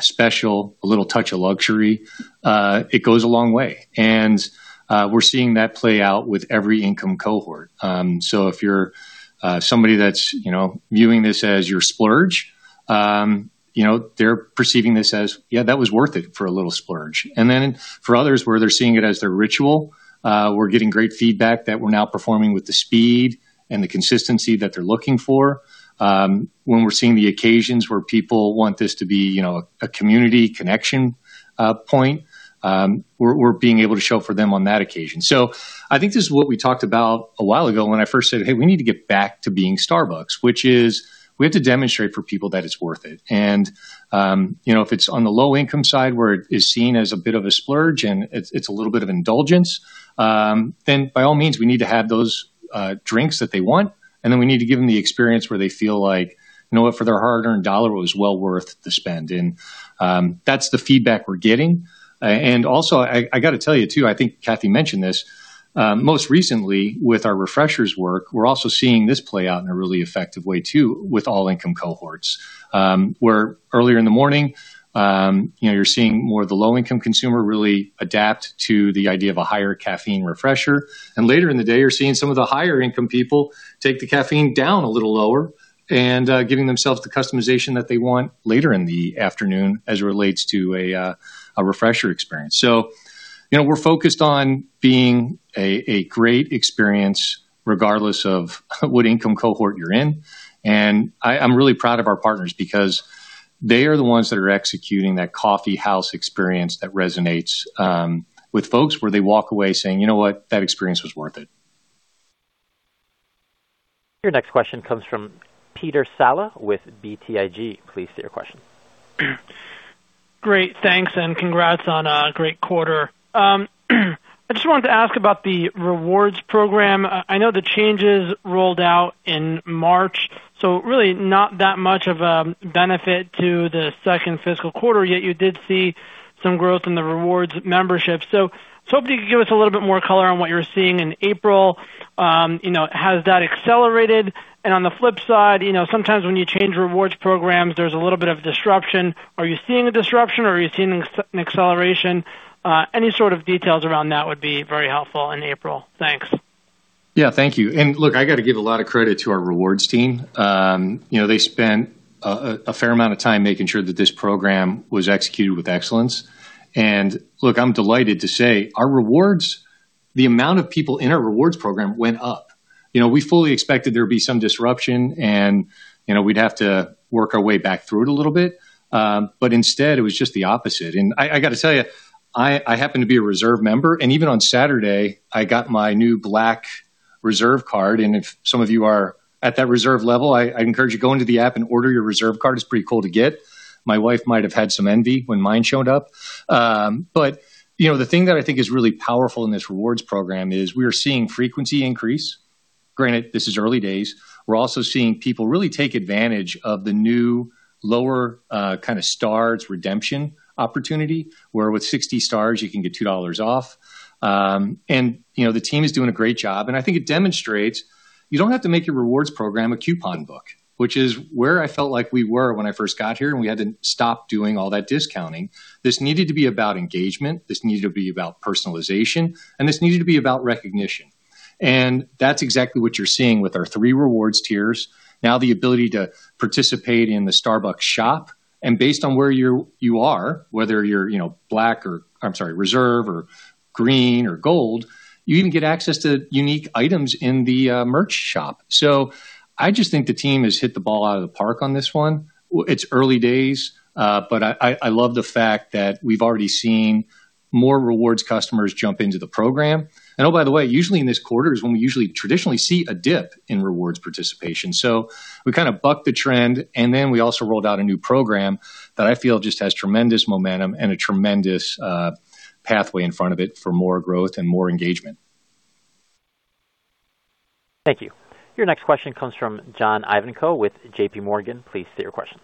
special, a little touch of luxury, it goes a long way. We're seeing that play out with every income cohort. If you're somebody that's, you know, viewing this as your splurge, you know, they're perceiving this as, yeah, that was worth it for a little splurge. For others, where they're seeing it as their ritual, we're getting great feedback that we're now performing with the speed and the consistency that they're looking for. When we're seeing the occasions where people want this to be, you know, a community connection point, we're being able to show up for them on that occasion. I think this is what we talked about a while ago when I first said, "Hey, we need to get back to being Starbucks," which is we have to demonstrate for people that it's worth it. You know, if it's on the low income side where it is seen as a bit of a splurge and it's a little bit of indulgence, then by all means, we need to have those drinks that they want, and then we need to give them the experience where they feel like, you know, for their hard-earned $, it was well worth the spend. That's the feedback we're getting. I gotta tell you too, I think Cathy mentioned this, most recently with our Refreshers work, we're also seeing this play out in a really effective way too with all income cohorts. Where earlier in the morning, you know, you're seeing more of the low income consumer really adapt to the idea of a higher caffeine Refresher. Later in the day, you're seeing some of the higher income people take the caffeine down a little lower and giving themselves the customization that they want later in the afternoon as it relates to a Refresher experience. You know, we're focused on being a great experience regardless of what income cohort you're in. I'm really proud of our partners because they are the ones that are executing that coffee house experience that resonates with folks where they walk away saying, "You know what? That experience was worth it. Your next question comes from Peter Saleh with BTIG. Please state your question. Great, thanks. Congrats on a great quarter. I just wanted to ask about the Starbucks Rewards program. I know the changes rolled out in March, really not that much of a benefit to the second fiscal quarter, yet you did see some growth in the Starbucks Rewards membership. I was hoping you could give us a little bit more color on what you're seeing in April. You know, has that accelerated? On the flip side, you know, sometimes when you change Starbucks Rewards programs, there's a little bit of disruption. Are you seeing a disruption or are you seeing an acceleration? Any sort of details around that would be very helpful in April. Thanks. Thank you. Look, I gotta give a lot of credit to our Starbucks Rewards team. You know, they spent a fair amount of time making sure that this program was executed with excellence. Look, I'm delighted to say our Starbucks Rewards, the amount of people in our Starbucks Rewards program went up. You know, we fully expected there would be some disruption and, you know, we'd have to work our way back through it a little bit. Instead, it was just the opposite. I gotta tell you, I happen to be a Reserve member, and even on Saturday, I got my new black Reserve card. If some of you are at that Reserve level, I encourage you to go into the app and order your Reserve card. It's pretty cool to get. My wife might have had some envy when mine showed up. You know, the thing that I think is really powerful in this Rewards program is we are seeing frequency increase. Granted, this is early days. We're also seeing people really take advantage of the new lower, kind of stars redemption opportunity, where with 60 stars you can get $2 off. You know, the team is doing a great job. I think it demonstrates you don't have to make your Rewards program a coupon book, which is where I felt like we were when I first got here, and we had to stop doing all that discounting. This needed to be about engagement, this needed to be about personalization, and this needed to be about recognition. That's exactly what you're seeing with our three Rewards tiers. The ability to participate in the Starbucks Rewards shop, and based on where you are, whether you're, you know, I'm sorry, Reserve or green or gold, you even get access to unique items in the merch shop. I just think the team has hit the ball out of the park on this one. It's early days, but I love the fact that we've already seen more Starbucks Rewards customers jump into the program. Oh, by the way, usually in this quarter is when we usually traditionally see a dip in Starbucks Rewards participation. We kind of bucked the trend, and then we also rolled out a new program that I feel just has tremendous momentum and a tremendous pathway in front of it for more growth and more engagement. Thank you. Your next question comes from John Ivankoe with J.P. Morgan. Please state your question.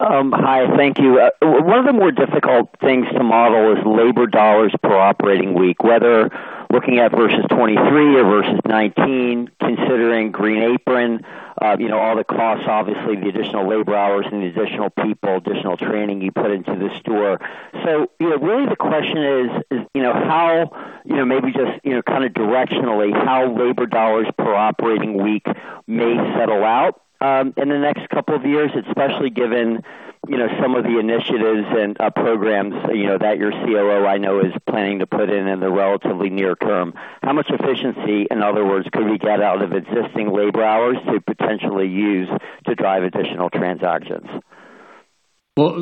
Hi, thank you. One of the more difficult things to model is labor dollars per operating week. Whether looking at versus 2023 or versus 2019, considering Green Apron, you know, all the costs, obviously the additional labor hours and the additional people, additional training you put into the store. Really the question is, you know, how, you know, maybe just, you know, kind of directionally, how labor dollars per operating week may settle out in the next couple of years, especially given, you know, some of the initiatives and programs, you know, that your COO I know is planning to put in the relatively near-term. How much efficiency, in other words, could we get out of existing labor hours to potentially use to drive additional transactions? Well,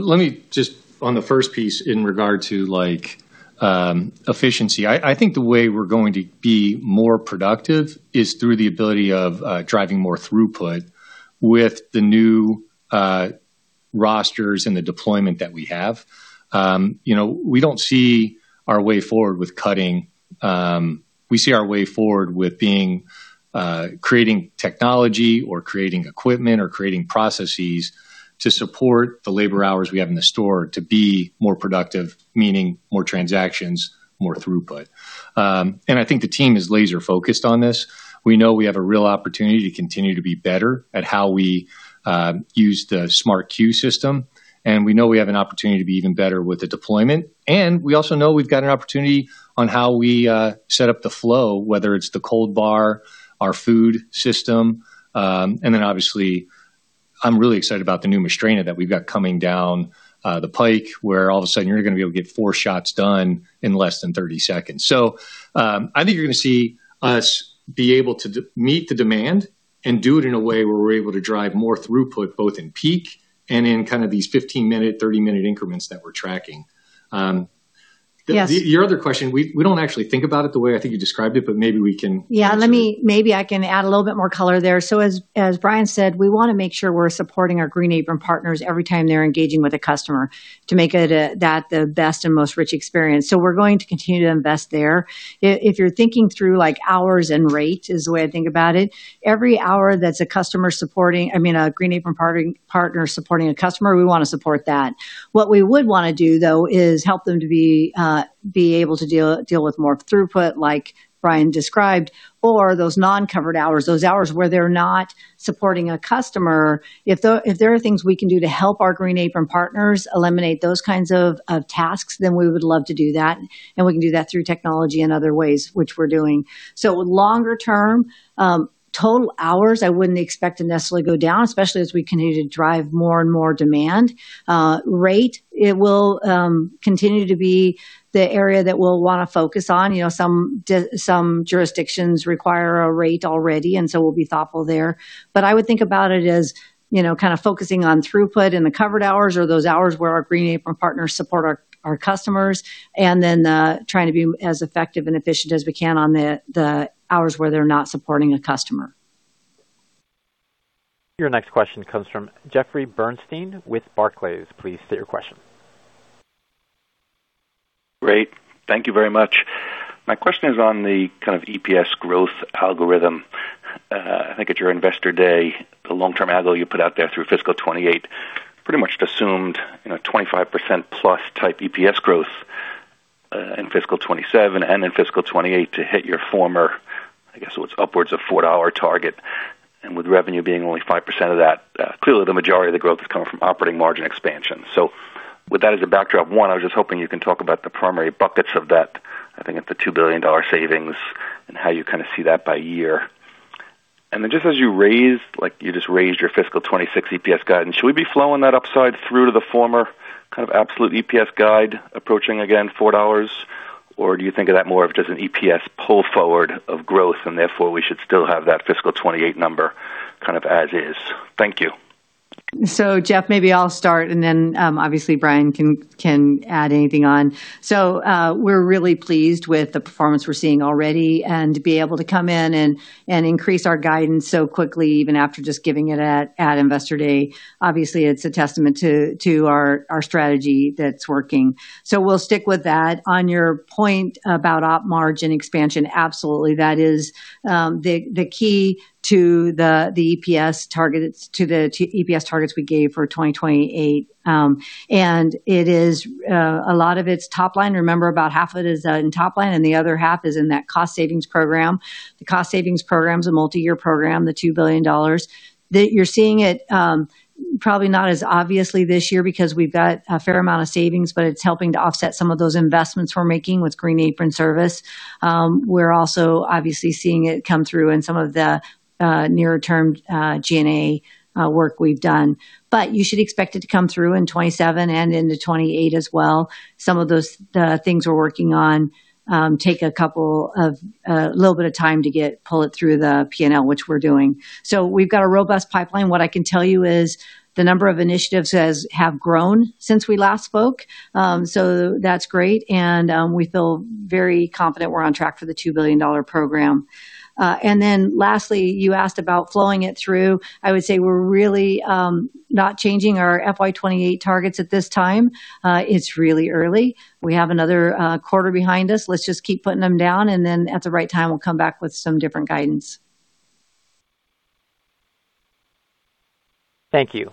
on the first piece in regard to, like, efficiency, I think the way we're going to be more productive is through the ability of driving more throughput with the new rosters and the deployment that we have. You know, we don't see our way forward with cutting. We see our way forward with being creating technology or creating equipment or creating processes to support the labor hours we have in the store to be more productive, meaning more transactions, more throughput. I think the team is laser-focused on this. We know we have a real opportunity to continue to be better at how we use the Smart Queue system, and we know we have an opportunity to be even better with the deployment. We also know we've got an opportunity on how we set up the flow, whether it's the cold bar, our food system. Obviously, I'm really excited about the new Mastrena that we've got coming down the pike, where all of a sudden you're gonna be able to get four shots done in less than 30 seconds. I think you're gonna see us be able to meet the demand and do it in a way where we're able to drive more throughput, both in peak and in kind of these 15-minute, 30-minute increments that we're tracking. Yes. Your other question, we don't actually think about it the way I think you described it, but maybe we can. Yeah. Maybe I can add a little bit more color there. As Brian Niccol said, we wanna make sure we're supporting our Green Apron partners every time they're engaging with a customer to make it that the best and most rich experience. We're going to continue to invest there. If you're thinking through like hours and rate is the way I think about it, every hour that's a Green Apron partner supporting a customer, we wanna support that. What we would wanna do, though, is help them to be able to deal with more throughput like Brian Niccol described or those non-covered hours, those hours where they're not supporting a customer. If there are things we can do to help our Green Apron partners eliminate those kinds of tasks, then we would love to do that. We can do that through technology and other ways, which we're doing. Longer-term, total hours, I wouldn't expect to necessarily go down, especially as we continue to drive more and more demand. Rate, it will continue to be the area that we'll wanna focus on. You know, some jurisdictions require a rate already, we'll be thoughtful there. I would think about it as, you know, kind of focusing on throughput in the covered hours or those hours where our Green Apron partners support our customers, then trying to be as effective and efficient as we can on the hours where they're not supporting a customer. Your next question comes from Jeffrey Bernstein with Barclays. Please state your question. Great. Thank you very much. My question is on the kind of EPS growth algorithm. I think at your Investor Day, the long-term algo you put out there through fiscal 2028 pretty much assumed, you know, 25%+ type EPS growth in fiscal 2027 and in fiscal 2028 to hit your former, I guess it was upwards of $4 target. With revenue being only 5% of that, clearly the majority of the growth is coming from operating margin expansion. With that as a backdrop, one, I was just hoping you can talk about the primary buckets of that. I think it's a $2 billion savings and how you kinda see that by year. Just as you raised, like you just raised your fiscal 2026 EPS guidance, should we be flowing that upside through to the former kind of absolute EPS guide approaching again $4? Do you think of that more of just an EPS pull forward of growth and therefore we should still have that FY 2028 number kind of as is? Thank you. Jeffrey Bernstein, maybe I'll start and then, obviously Brian Niccol can add anything on. We're really pleased with the performance we're seeing already and to be able to come in and increase our guidance so quickly, even after just giving it at Investor Day. Obviously, it's a testament to our strategy that's working. We'll stick with that. On your point about op margin expansion, absolutely that is the key to the EPS targets, to EPS targets we gave for 2028. It is a lot of it's top line. Remember about half of it is in top line, and the other half is in that cost savings program. The cost savings program is a multi-year program, the $2 billion. You're seeing it, probably not as obviously this year because we've got a fair amount of savings, it's helping to offset some of those investments we're making with Green Apron service. We're also obviously seeing it come through in some of the near-term G&A work we've done. You should expect it to come through in 2027 and into 2028 as well. Some of those things we're working on take a couple of a little bit of time to pull it through the P&L, which we're doing. We've got a robust pipeline. What I can tell you is the number of initiatives have grown since we last spoke. That's great. We feel very confident we're on track for the $2 billion program. Lastly, you asked about flowing it through. I would say we're really not changing our FY 2028 targets at this time. It's really early. We have another quarter behind us. Let's just keep putting them down. At the right time, we'll come back with some different guidance. Thank you.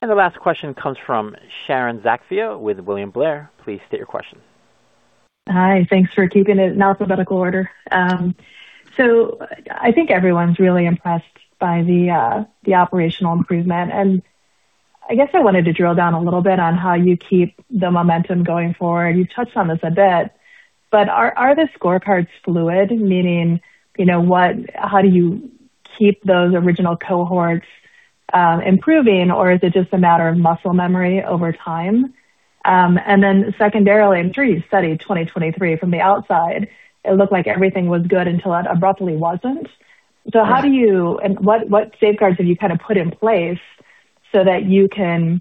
The last question comes from Sharon Zackfia with William Blair. Please state your question. Hi. Thanks for keeping it in alphabetical order. I think everyone's really impressed by the operational improvement. I guess I wanted to drill down a little bit on how you keep the momentum going forward. You touched on this a bit, are the GROW Scorecards fluid? Meaning, how do you keep those original cohorts improving, or is it just a matter of muscle memory over time? Secondarily, in Q3 2023 from the outside, it looked like everything was good until it abruptly wasn't. How do you and what safeguards have you kind of put in place so that you can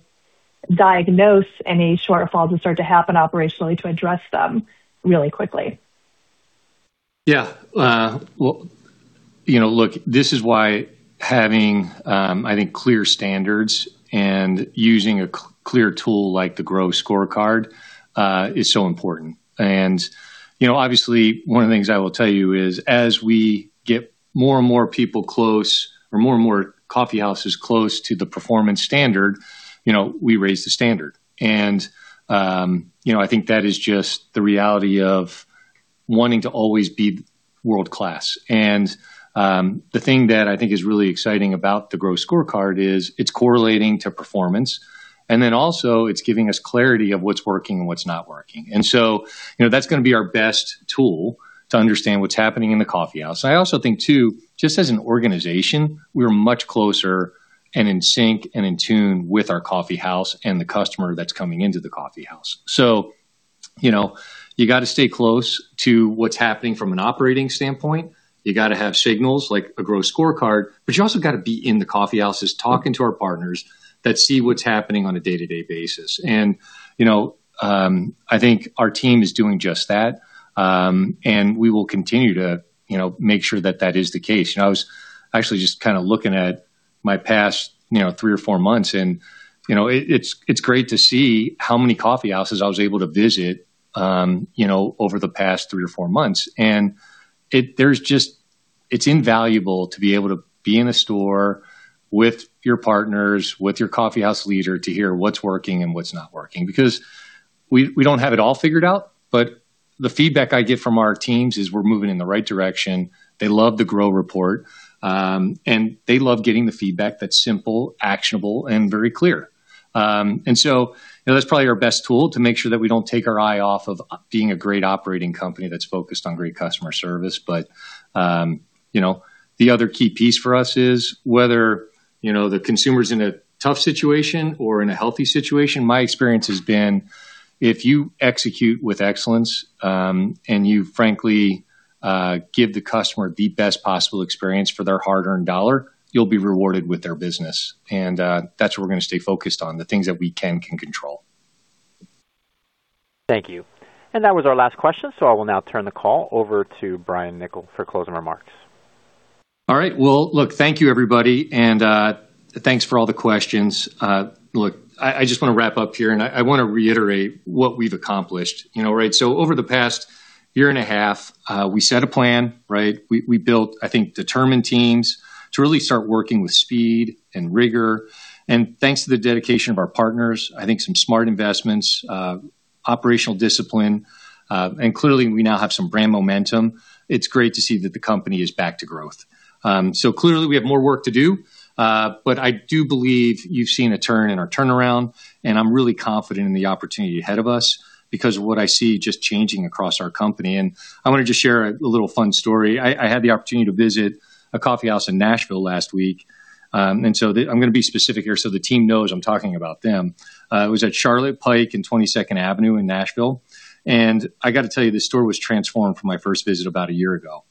diagnose any shortfalls that start to happen operationally to address them really quickly? Well, you know, look, this is why having, I think, clear standards and using a clear tool like the GROW Scorecard is so important. You know, obviously, one of the things I will tell you is, as we get more and more people close or more and more coffee houses close to the performance standard, you know, we raise the standard. You know, I think that is just the reality of wanting to always be world-class. The thing that I think is really exciting about the GROW Scorecard is it's correlating to performance, and then also it's giving us clarity of what's working and what's not working. You know, that's gonna be our best tool to understand what's happening in the coffee house. I also think too, just as an organization, we are much closer and in sync and in tune with our coffeehouse and the customer that's coming into the coffeehouse. You know, you gotta stay close to what's happening from an operating standpoint. You gotta have signals like a GROW Scorecard, but you also gotta be in the coffeehouses talking to our partners that see what's happening on a day-to-day basis. You know, I think our team is doing just that. We will continue to, you know, make sure that that is the case. You know, I was actually just kind of looking at my past, you know, three or four months and, you know, it's great to see how many coffeehouses I was able to visit, you know, over the past three or four months. It's invaluable to be able to be in a store with your partners, with your coffee house leader, to hear what's working and what's not working. Because we don't have it all figured out, but the feedback I get from our teams is we're moving in the right direction. They love the GROW report, and they love getting the feedback that's simple, actionable, and very clear. You know, that's probably our best tool to make sure that we don't take our eye off of being a great operating company that's focused on great customer service. You know, the other key piece for us is whether, you know, the consumer's in a tough situation or in a healthy situation. My experience has been if you execute with excellence, and you frankly, give the customer the best possible experience for their hard-earned dollar, you'll be rewarded with their business. That's what we're gonna stay focused on, the things that we can control. Thank you. That was our last question, so I will now turn the call over to Brian Niccol for closing remarks. All right. Well, look, thank you, everybody. Thanks for all the questions. Look, I just want to wrap up here, I want to reiterate what we've accomplished, you know, right? Over the past year and a half, we set a plan, right? We built, I think, determined teams to really start working with speed and rigor. Thanks to the dedication of our partners, I think some smart investments, operational discipline, clearly, we now have some brand momentum. It's great to see that the company is back to growth. Clearly we have more work to do, I do believe you've seen a turn in our turnaround, I'm really confident in the opportunity ahead of us because of what I see just changing across our company. I want to just share a little fun story. I had the opportunity to visit a coffee house in Nashville last week. I'm gonna be specific here, so the team knows I'm talking about them. It was at Charlotte Pike in 22nd Avenue in Nashville. I got to tell you, this store was transformed from my first visit about a year ago.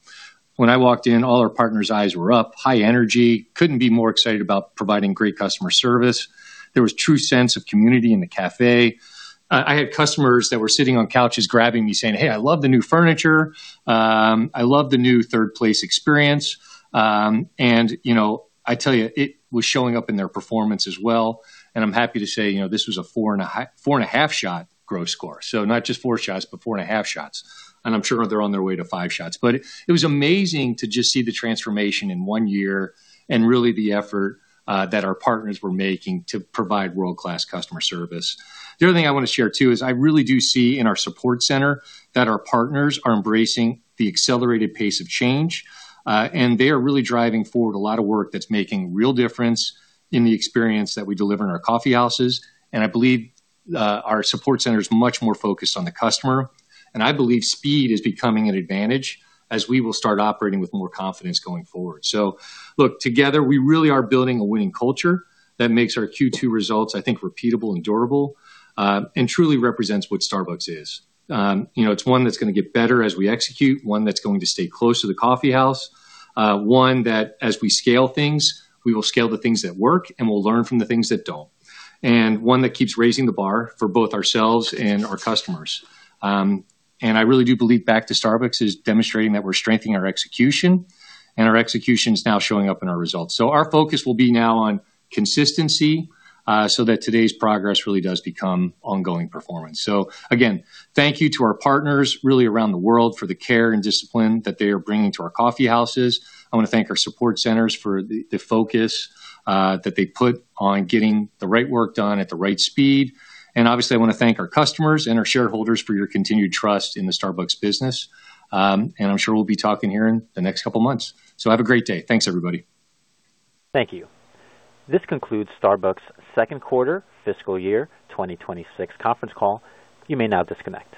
When I walked in, all our partners' eyes were up, high energy, couldn't be more excited about providing great customer service. There was true sense of community in the cafe. I had customers that were sitting on couches grabbing me saying, "Hey, I love the new furniture. I love the new third place experience. You know, I tell you, it was showing up in their performance as well, and I'm happy to say, you know, this was a 4.5, 4.5 shot GROW Scorecard. Not just 4 shots, but 4.5 shots. I'm sure they're on their way to five shots. It was amazing to just see the transformation in one-year and really the effort that our partners were making to provide world-class customer service. The other thing I wanna share too is I really do see in our support center that our partners are embracing the accelerated pace of change, and they are really driving forward a lot of work that's making real difference in the experience that we deliver in our coffee houses. I believe our support center is much more focused on the customer, and I believe speed is becoming an advantage as we will start operating with more confidence going forward. Look, together, we really are building a winning culture that makes our Q2 results, I think, repeatable and durable, and truly represents what Starbucks is. You know, it's one that's going to get better as we execute, one that's going to stay close to the coffee house, one that as we scale things, we will scale the things that work, and we'll learn from the things that don't, and one that keeps raising the bar for both ourselves and our customers. I really do believe back to Starbucks is demonstrating that we're strengthening our execution, and our execution is now showing up in our results. Our focus will be now on consistency, so that today's progress really does become ongoing performance. Again, thank you to our partners really around the world for the care and discipline that they are bringing to our coffee houses. I wanna thank our support centers for the focus that they put on getting the right work done at the right speed. Obviously, I wanna thank our customers and our shareholders for your continued trust in the Starbucks business. I'm sure we'll be talking here in the next couple of months. Have a great day. Thanks, everybody. Thank you. This concludes Starbucks' second quarter fiscal year 2026 conference call. You may now disconnect.